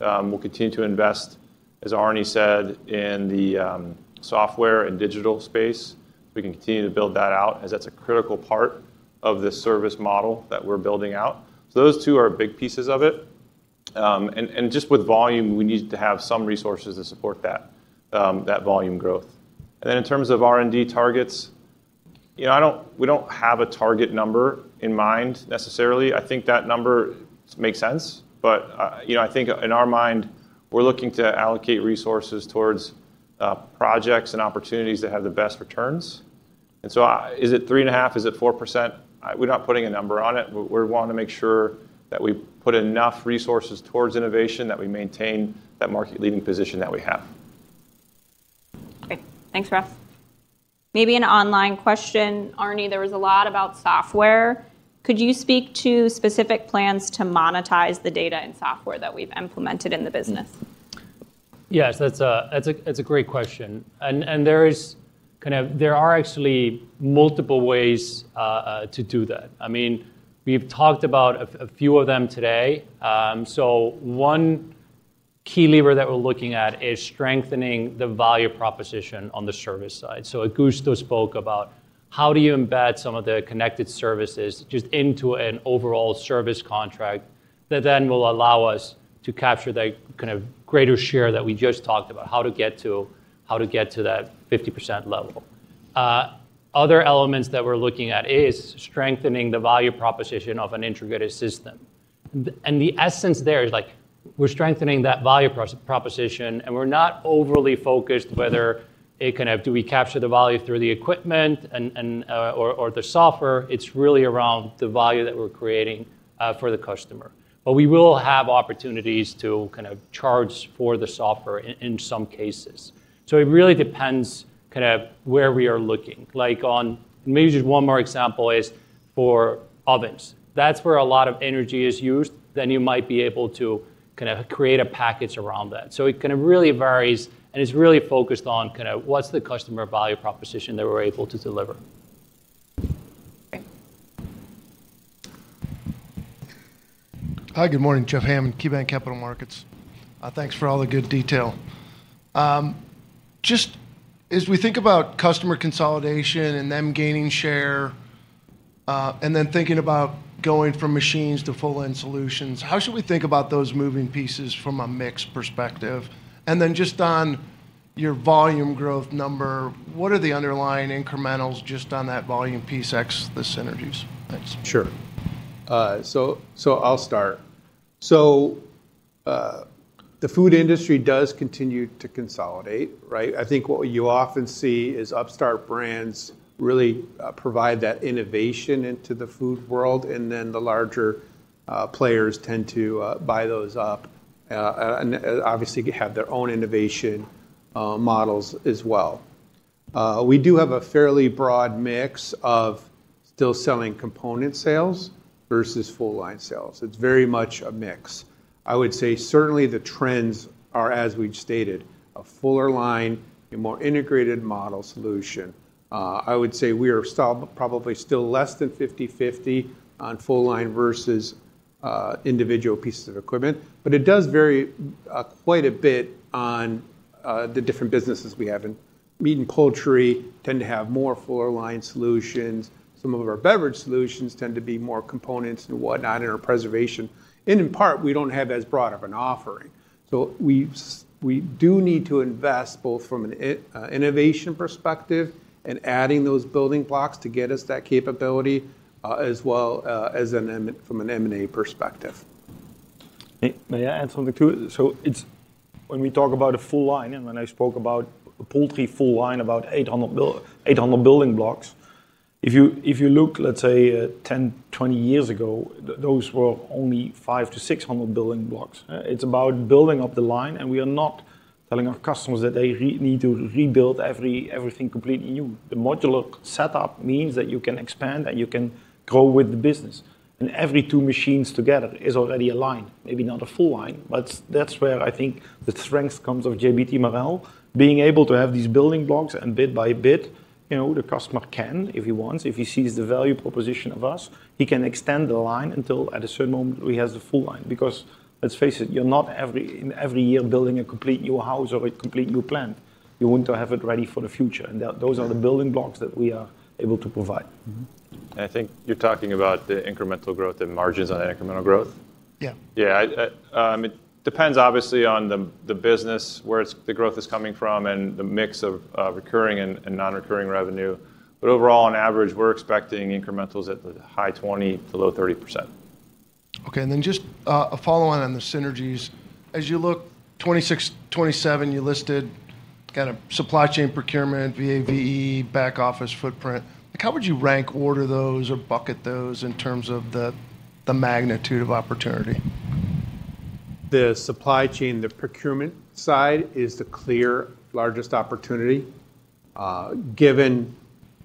We'll continue to invest, as Arni said, in the software and digital space. We can continue to build that out as that's a critical part of this service model that we're building out. Those two are big pieces of it. Just with volume, we need to have some resources to support that volume growth. In terms of R&D targets, you know, we don't have a target number in mind necessarily. I think that number makes sense. You know, I think in our mind, we're looking to allocate resources towards projects and opportunities that have the best returns. Is it 3.5%? Is it 4%? We're not putting a number on it. We wanna make sure that we put enough resources towards innovation, that we maintain that market-leading position that we have. Okay, thanks, Ross. Maybe an online question. Arni, there was a lot about software. Could you speak to specific plans to monetize the data and software that we've implemented in the business? Yes, that's a great question. There are actually multiple ways to do that. I mean, we've talked about a few of them today. One key lever that we're looking at is strengthening the value proposition on the service side. Augusto spoke about how do you embed some of the connected services just into an overall service contract that then will allow us to capture the kind of greater share that we just talked about, how to get to that 50% level. Other elements that we're looking at is strengthening the value proposition of an integrated system. The essence there is like we're strengthening that value proposition, and we're not overly focused whether it kind of. Do we capture the value through the equipment and or the software? It's really around the value that we're creating for the customer. We will have opportunities to kind of charge for the software in some cases. It really depends kind of where we are looking. Like on, maybe just one more example is for ovens. That's where a lot of energy is used. You might be able to kinda create a package around that. It kinda really varies, and it's really focused on kinda what's the customer value proposition that we're able to deliver. Okay. Hi. Good morning. Jeff Hammond, KeyBanc Capital Markets. Thanks for all the good detail. Just as we think about customer consolidation and them gaining share, and then thinking about going from machines to full end solutions, how should we think about those moving pieces from a mix perspective? Then just on your volume growth number, what are the underlying incrementals just on that volume piece ex the synergies? Thanks. Sure. I'll start. The food industry does continue to consolidate, right? I think what you often see is upstart brands really provide that innovation into the food world, and then the larger players tend to buy those up and obviously have their own innovation models as well. We do have a fairly broad mix of still selling component sales versus full line sales. It's very much a mix. I would say certainly the trends are as we've stated, a fuller line, a more integrated model solution. I would say we are still probably less than 50/50 on full line versus individual pieces of equipment. But it does vary quite a bit on the different businesses we have. Meat and poultry tend to have more full line solutions. Some of our beverage solutions tend to be more components and whatnot in our preservation. In part, we don't have as broad of an offering. We do need to invest both from an innovation perspective and adding those building blocks to get us that capability, as well as from an M&A perspective. May I add something to it? It's when we talk about a full line, and when I spoke about a poultry full line, about 800 building blocks. If you look, let's say, 10-20 years ago, those were only 500-600 building blocks. It's about building up the line, and we are not telling our customers that they need to rebuild everything completely new. The modular setup means that you can expand, that you can grow with the business, and every two machines together is already a line. Maybe not a full line, but that's where I think the strength comes of JBT Marel, being able to have these building blocks and bit by bit, you know, the customer can, if he wants, if he sees the value proposition of us, he can extend the line until at a certain moment he has the full line. Because let's face it, you're not every year building a complete new house or a complete new plant. You want to have it ready for the future. Those are the building blocks that we are able to provide. Mm-hmm. I think you're talking about the incremental growth and margins on incremental growth? Yeah, it depends obviously on the business, where it's the growth is coming from, and the mix of recurring and non-recurring revenue. Overall, on average, we're expecting incrementals at the high 20%-low 30%. Okay. Just a follow-on on the synergies. As you look 2026, 2027, you listed kinda supply chain procurement, VAVE, back office footprint. Like, how would you rank order those or bucket those in terms of the magnitude of opportunity? The supply chain, the procurement side is the clear largest opportunity. Given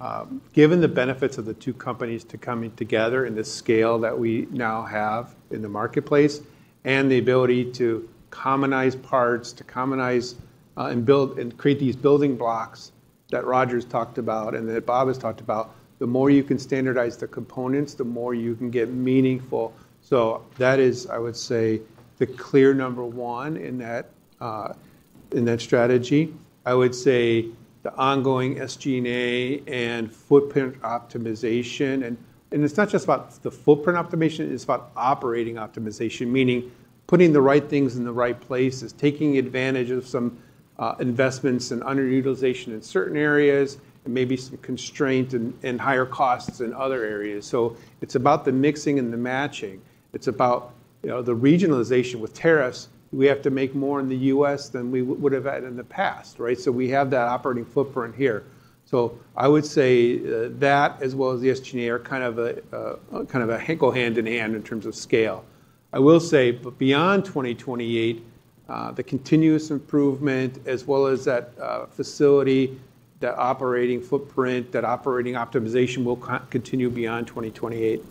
the benefits of the two companies coming together and the scale that we now have in the marketplace and the ability to commonize parts and build and create these building blocks that Roger’s talked about and that Bob has talked about, the more you can standardize the components, the more you can get meaningful. That is, I would say, the clear number one in that strategy. I would say the ongoing SG&A and footprint optimization, and it’s not just about the footprint optimization, it’s about operating optimization, meaning putting the right things in the right places, taking advantage of some investments and underutilization in certain areas, and maybe some constraint and higher costs in other areas. It’s about the mixing and the matching. It's about, you know, the regionalization with tariffs. We have to make more in the U.S. than we would have had in the past, right? We have that operating footprint here. I would say that as well as the SG&A are kind of a, kind of a hand in hand in terms of scale. I will say, beyond 2028, the continuous improvement as well as that facility, that operating footprint, that operating optimization will continue beyond 2028.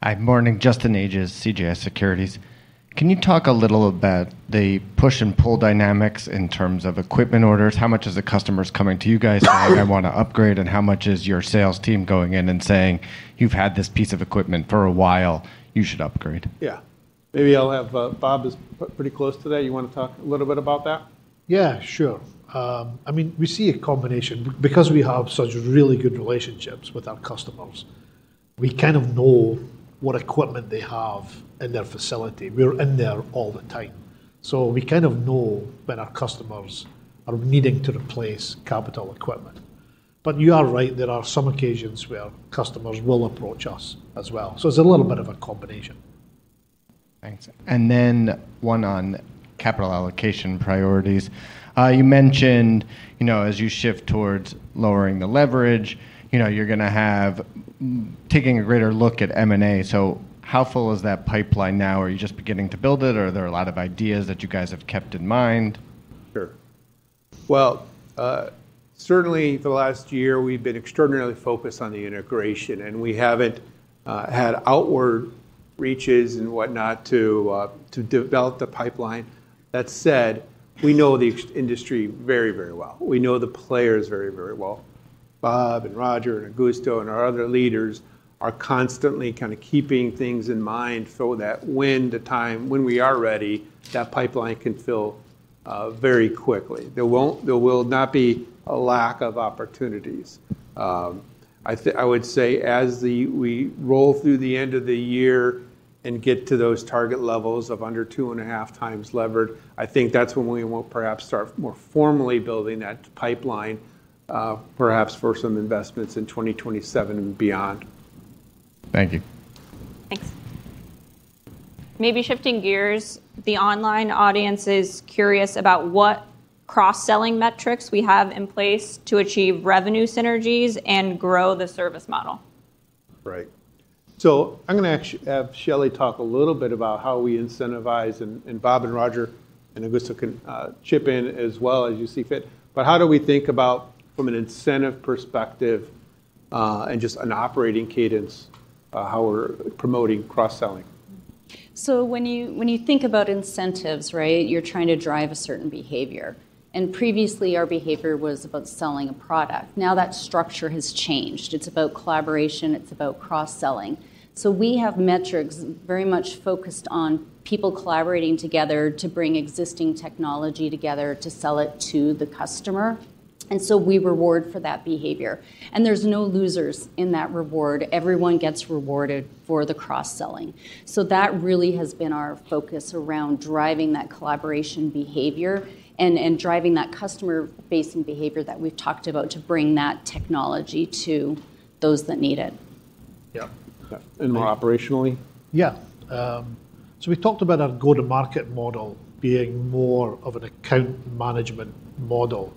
Hi. Morning. Justin Ages, CJS Securities. Can you talk a little about the push and pull dynamics in terms of equipment orders? How much is the customers coming to you guys saying, I wanna upgrade, and how much is your sales team going in and saying, You've had this piece of equipment for a while. You should upgrade? Yeah. Maybe I'll have, Bob is pretty close to that. You wanna talk a little bit about that? Yeah, sure. I mean, we see a combination. Because we have such really good relationships with our customers, we kind of know what equipment they have in their facility. We're in there all the time. We kind of know when our customers are needing to replace capital equipment. You are right, there are some occasions where customers will approach us as well. It's a little bit of a combination. Thanks. One on capital allocation priorities. You mentioned, you know, as you shift towards lowering the leverage, you know, you're gonna be taking a greater look at M&A. How full is that pipeline now? Are you just beginning to build it, or are there a lot of ideas that you guys have kept in mind? Sure. Well, certainly the last year we've been extraordinarily focused on the integration, and we haven't had outward reaches and whatnot to develop the pipeline. That said, we know the egg industry very, very well. We know the players very, very well. Bob and Roger and Augusto and our other leaders are constantly kinda keeping things in mind so that when we are ready, that pipeline can fill very quickly. There will not be a lack of opportunities. I would say as we roll through the end of the year and get to those target levels of under 2.5x levered, I think that's when we will perhaps start more formally building that pipeline, perhaps for some investments in 2027 and beyond. Thank you. Thanks. Maybe shifting gears, the online audience is curious about what cross-selling metrics we have in place to achieve revenue synergies and grow the service model. Right. I'm gonna have Shelley talk a little bit about how we incentivize, and Bob and Roger and Augusto can chip in as well as you see fit. How do we think about from an incentive perspective, and just an operating cadence, how we're promoting cross-selling? When you think about incentives, right, you're trying to drive a certain behavior. Previously our behavior was about selling a product. Now that structure has changed. It's about collaboration. It's about cross-selling. We have metrics very much focused on people collaborating together to bring existing technology together to sell it to the customer. We reward for that behavior. There's no losers in that reward. Everyone gets rewarded for the cross-selling. That really has been our focus around driving that collaboration behavior and driving that customer-facing behavior that we've talked about to bring that technology to those that need it. Yeah. More operationally? Yeah. We talked about our go-to-market model being more of an account management model.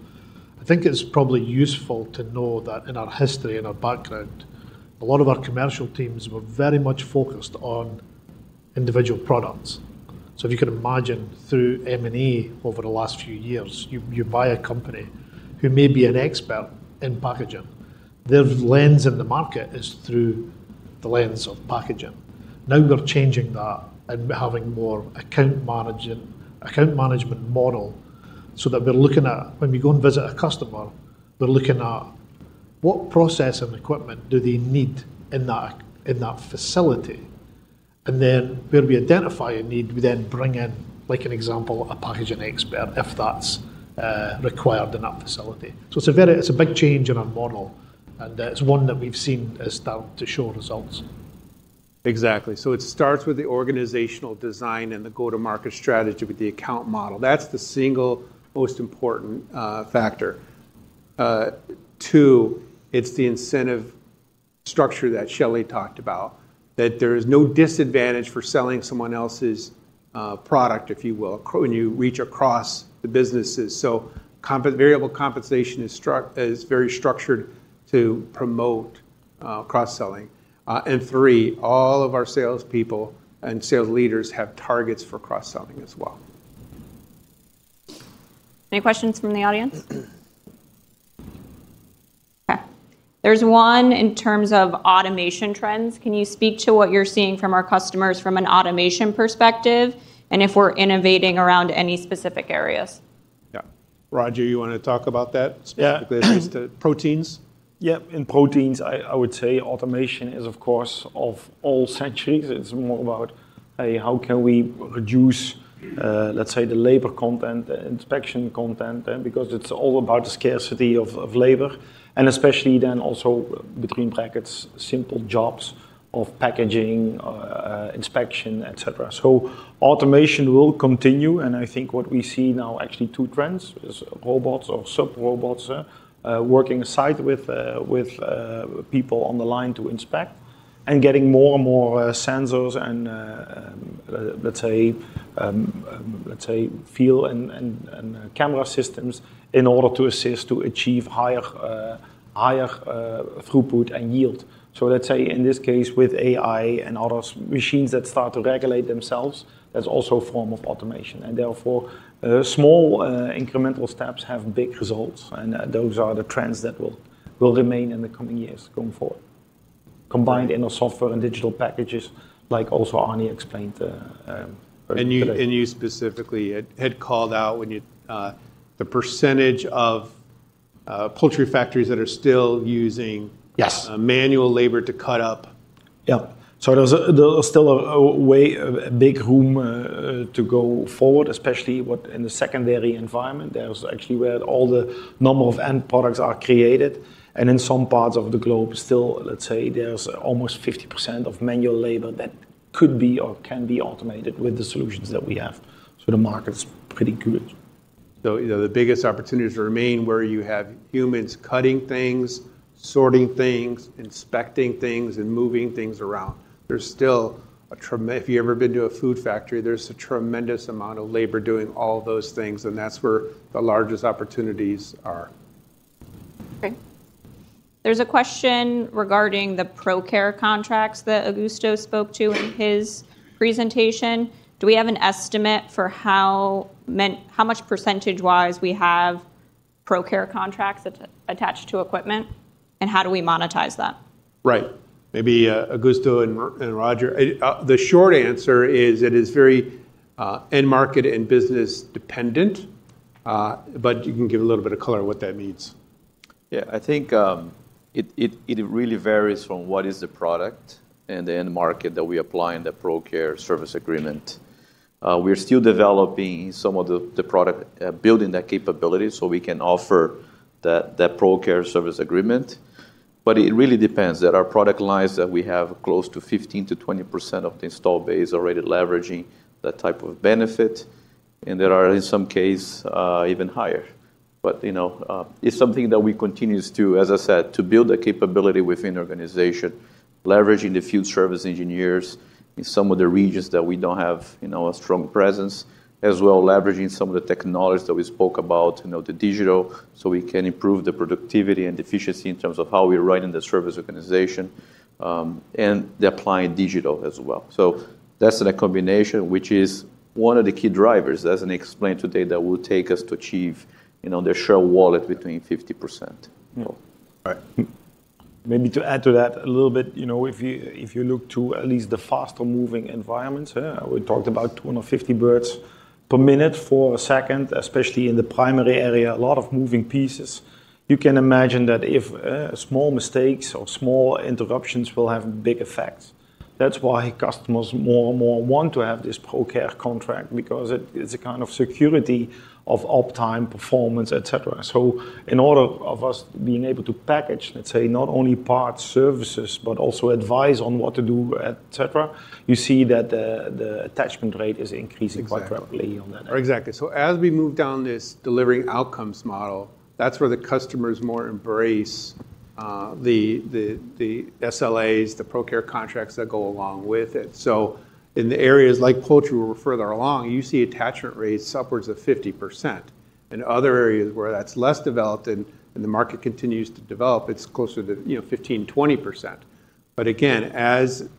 I think it's probably useful to know that in our history and our background, a lot of our commercial teams were very much focused on individual products. If you can imagine through M&A over the last few years, you buy a company who may be an expert in packaging. Their lens in the market is through the lens of packaging. Now we're changing that and having more account management model so that we're looking at, when we go and visit a customer, we're looking at what process and equipment do they need in that facility. Then where we identify a need, we then bring in, like an example, a packaging expert if that's required in that facility. It's a big change in our model, and it's one that we've seen is starting to show results. Exactly. It starts with the organizational design and the go-to-market strategy with the account model. That's the single most important factor. Two, it's the incentive structure that Shelley talked about, that there is no disadvantage for selling someone else's product, if you will, when you reach across the businesses. Variable compensation is very structured to promote cross-selling. Three, all of our salespeople and sales leaders have targets for cross-selling as well. Any questions from the audience? Okay. There's one in terms of automation trends. Can you speak to what you're seeing from our customers from an automation perspective and if we're innovating around any specific areas? Yeah. Roger, you wanna talk about that- Yeah. Specifically at least to proteins? Yeah. In proteins, I would say automation is, of course, of the century. It's more about how can we reduce, let's say, the labor content, the inspection content, because it's all about scarcity of labor, and especially then also in brackets, simple jobs of packaging, inspection, et cetera. Automation will continue, and I think what we see now actually two trends is robots or [self-robots] working alongside with people on the line to inspect and getting more and more sensors and let's say feel and camera systems in order to assist to achieve higher throughput and yield. Let's say in this case, with AI and other machines that start to regulate themselves, that's also a form of automation. Therefore, small incremental steps have big results, and those are the trends that will remain in the coming years going forward. Combined in our software and digital packages, like also Arni explained earlier today. You specifically had called out the percentage of poultry factories that are still using- Yes manual labor to cut up. Yeah. There's still a big room to go forward, especially within the secondary environment. That's actually where all the end products are created. In some parts of the globe, let's say, there's almost 50% of manual labor that can be automated with the solutions that we have. The market's pretty good. You know, the biggest opportunities remain where you have humans cutting things, sorting things, inspecting things, and moving things around. If you've ever been to a food factory, there's a tremendous amount of labor doing all those things, and that's where the largest opportunities are. Okay. There's a question regarding the ProCare contracts that Augusto spoke to in his presentation. Do we have an estimate for how much percentage-wise we have ProCare contracts attached to equipment, and how do we monetize that? Right. Maybe Augusto and Roger. The short answer is it is very end market and business dependent, but you can give a little bit of color on what that means. I think it really varies from what is the product and the end market that we apply in the ProCare service agreement. We're still developing some of the product building that capability, so we can offer that ProCare service agreement. But it really depends. There are product lines that we have close to 15%-20% of the install base already leveraging that type of benefit, and there are, in some cases, even higher. You know, it's something that we continue to, as I said, to build the capability within the organization, leveraging the field service engineers in some of the regions that we don't have, you know, a strong presence, as well leveraging some of the technologies that we spoke about, you know, the digital, so we can improve the productivity and efficiency in terms of how we're running the service organization, and the applying digital as well. That's the combination which is one of the key drivers, as I explained today, that will take us to achieve, you know, the share wallet between 50%. All right. Maybe to add to that a little bit. If you look to at least the faster-moving environments, we talked about one or 50 birds per minute for a second, especially in the primary area, a lot of moving pieces. You can imagine that if small mistakes or small interruptions will have big effects. That's why customers more and more want to have this ProCare contract because it is a kind of security of uptime performance, et cetera. In order for us being able to package, let's say, not only parts, services, but also advice on what to do, et cetera, you see that the attachment rate is increasing- Exactly Quite rapidly on that. Exactly. As we move down this delivering outcomes model, that's where the customers more embrace the SLAs, the ProCare contracts that go along with it. In the areas like poultry where we're further along, you see attachment rates upwards of 50%. In other areas where that's less developed and the market continues to develop, it's closer to, you know, 15%-20%. But again,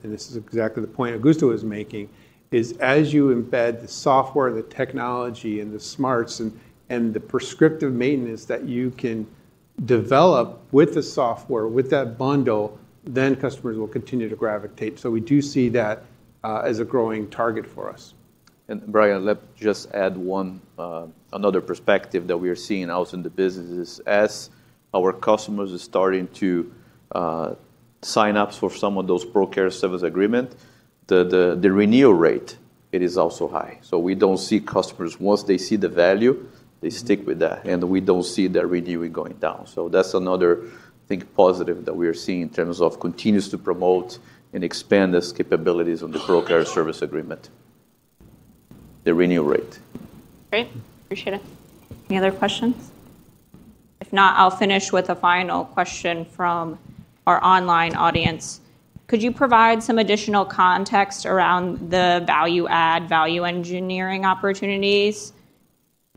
this is exactly the point Augusto was making, is as you embed the software, the technology, and the smarts and the prescriptive maintenance that you can develop with the software, with that bundle, then customers will continue to gravitate. We do see that as a growing target for us. Brian, let's just add one another perspective that we are seeing out in the businesses. As our customers are starting to sign up for some of those ProCare service agreement, the renewal rate, it is also high. We don't see customers, once they see the value, they stick with that, and we don't see their renewal going down. That's another, I think, positive that we are seeing in terms of continues to promote and expand these capabilities on the ProCare service agreement, the renewal rate. Great. Appreciate it. Any other questions? If not, I'll finish with a final question from our online audience. Could you provide some additional context around the value add, value engineering opportunities?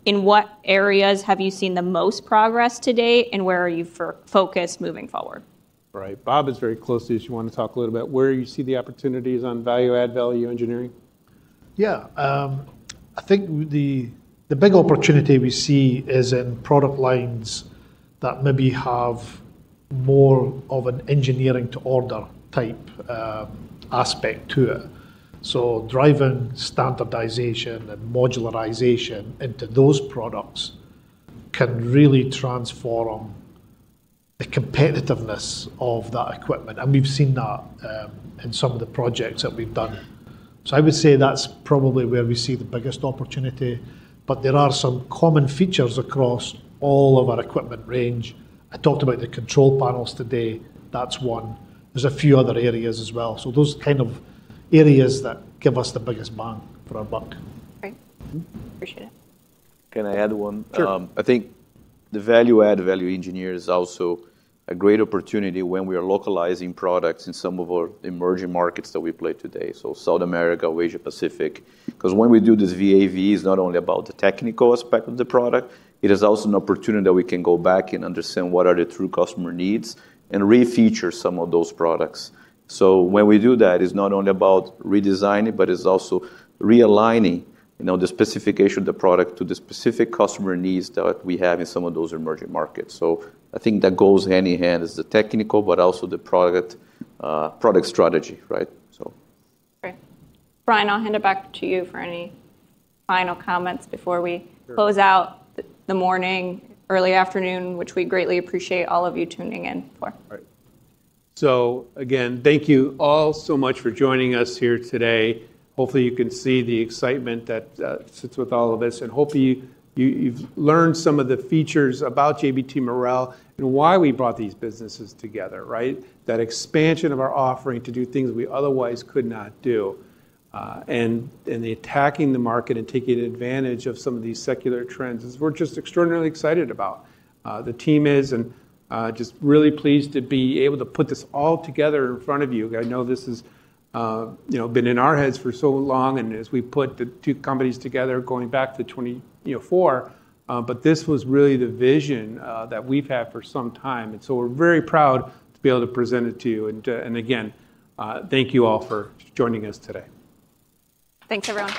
In what areas have you seen the most progress to date, and where are you focused moving forward? Right. Bob is very close to you, so you wanna talk a little about where you see the opportunities on value add, value engineering? Yeah. I think the big opportunity we see is in product lines that maybe have more of an engineering to order type aspect to it. Driving standardization and modularization into those products can really transform the competitiveness of that equipment, and we've seen that in some of the projects that we've done. I would say that's probably where we see the biggest opportunity. There are some common features across all of our equipment range. I talked about the control panels today. That's one. There's a few other areas as well. Those kind of areas that give us the biggest bang for our buck. Great. Appreciate it. Can I add one? Sure. I think the Value-Added/Value Engineering is also a great opportunity when we are localizing products in some of our emerging markets that we play today, so South America or Asia Pacific. 'Cause when we do this VAVE, it's not only about the technical aspect of the product, it is also an opportunity that we can go back and understand what are the true customer needs and re-feature some of those products. When we do that, it's not only about redesigning, but it's also realigning, you know, the specification of the product to the specific customer needs that we have in some of those emerging markets. I think that goes hand in hand as the technical, but also the product strategy, right? Great. Brian, I'll hand it back to you for any final comments before we. Sure Close out the morning, early afternoon, which we greatly appreciate all of you tuning in for. All right. Again, thank you all so much for joining us here today. Hopefully, you can see the excitement that sits with all of this. Hopefully you've learned some of the features about JBT Marel and why we brought these businesses together, right? That expansion of our offering to do things we otherwise could not do, and the attacking the market and taking advantage of some of these secular trends is we're just extraordinarily excited about. The team is and just really pleased to be able to put this all together in front of you. I know this has, you know, been in our heads for so long and as we put the two companies together going back to 2024. This was really the vision that we've had for some time. We're very proud to be able to present it to you. Again, thank you all for joining us today. Thanks, everyone.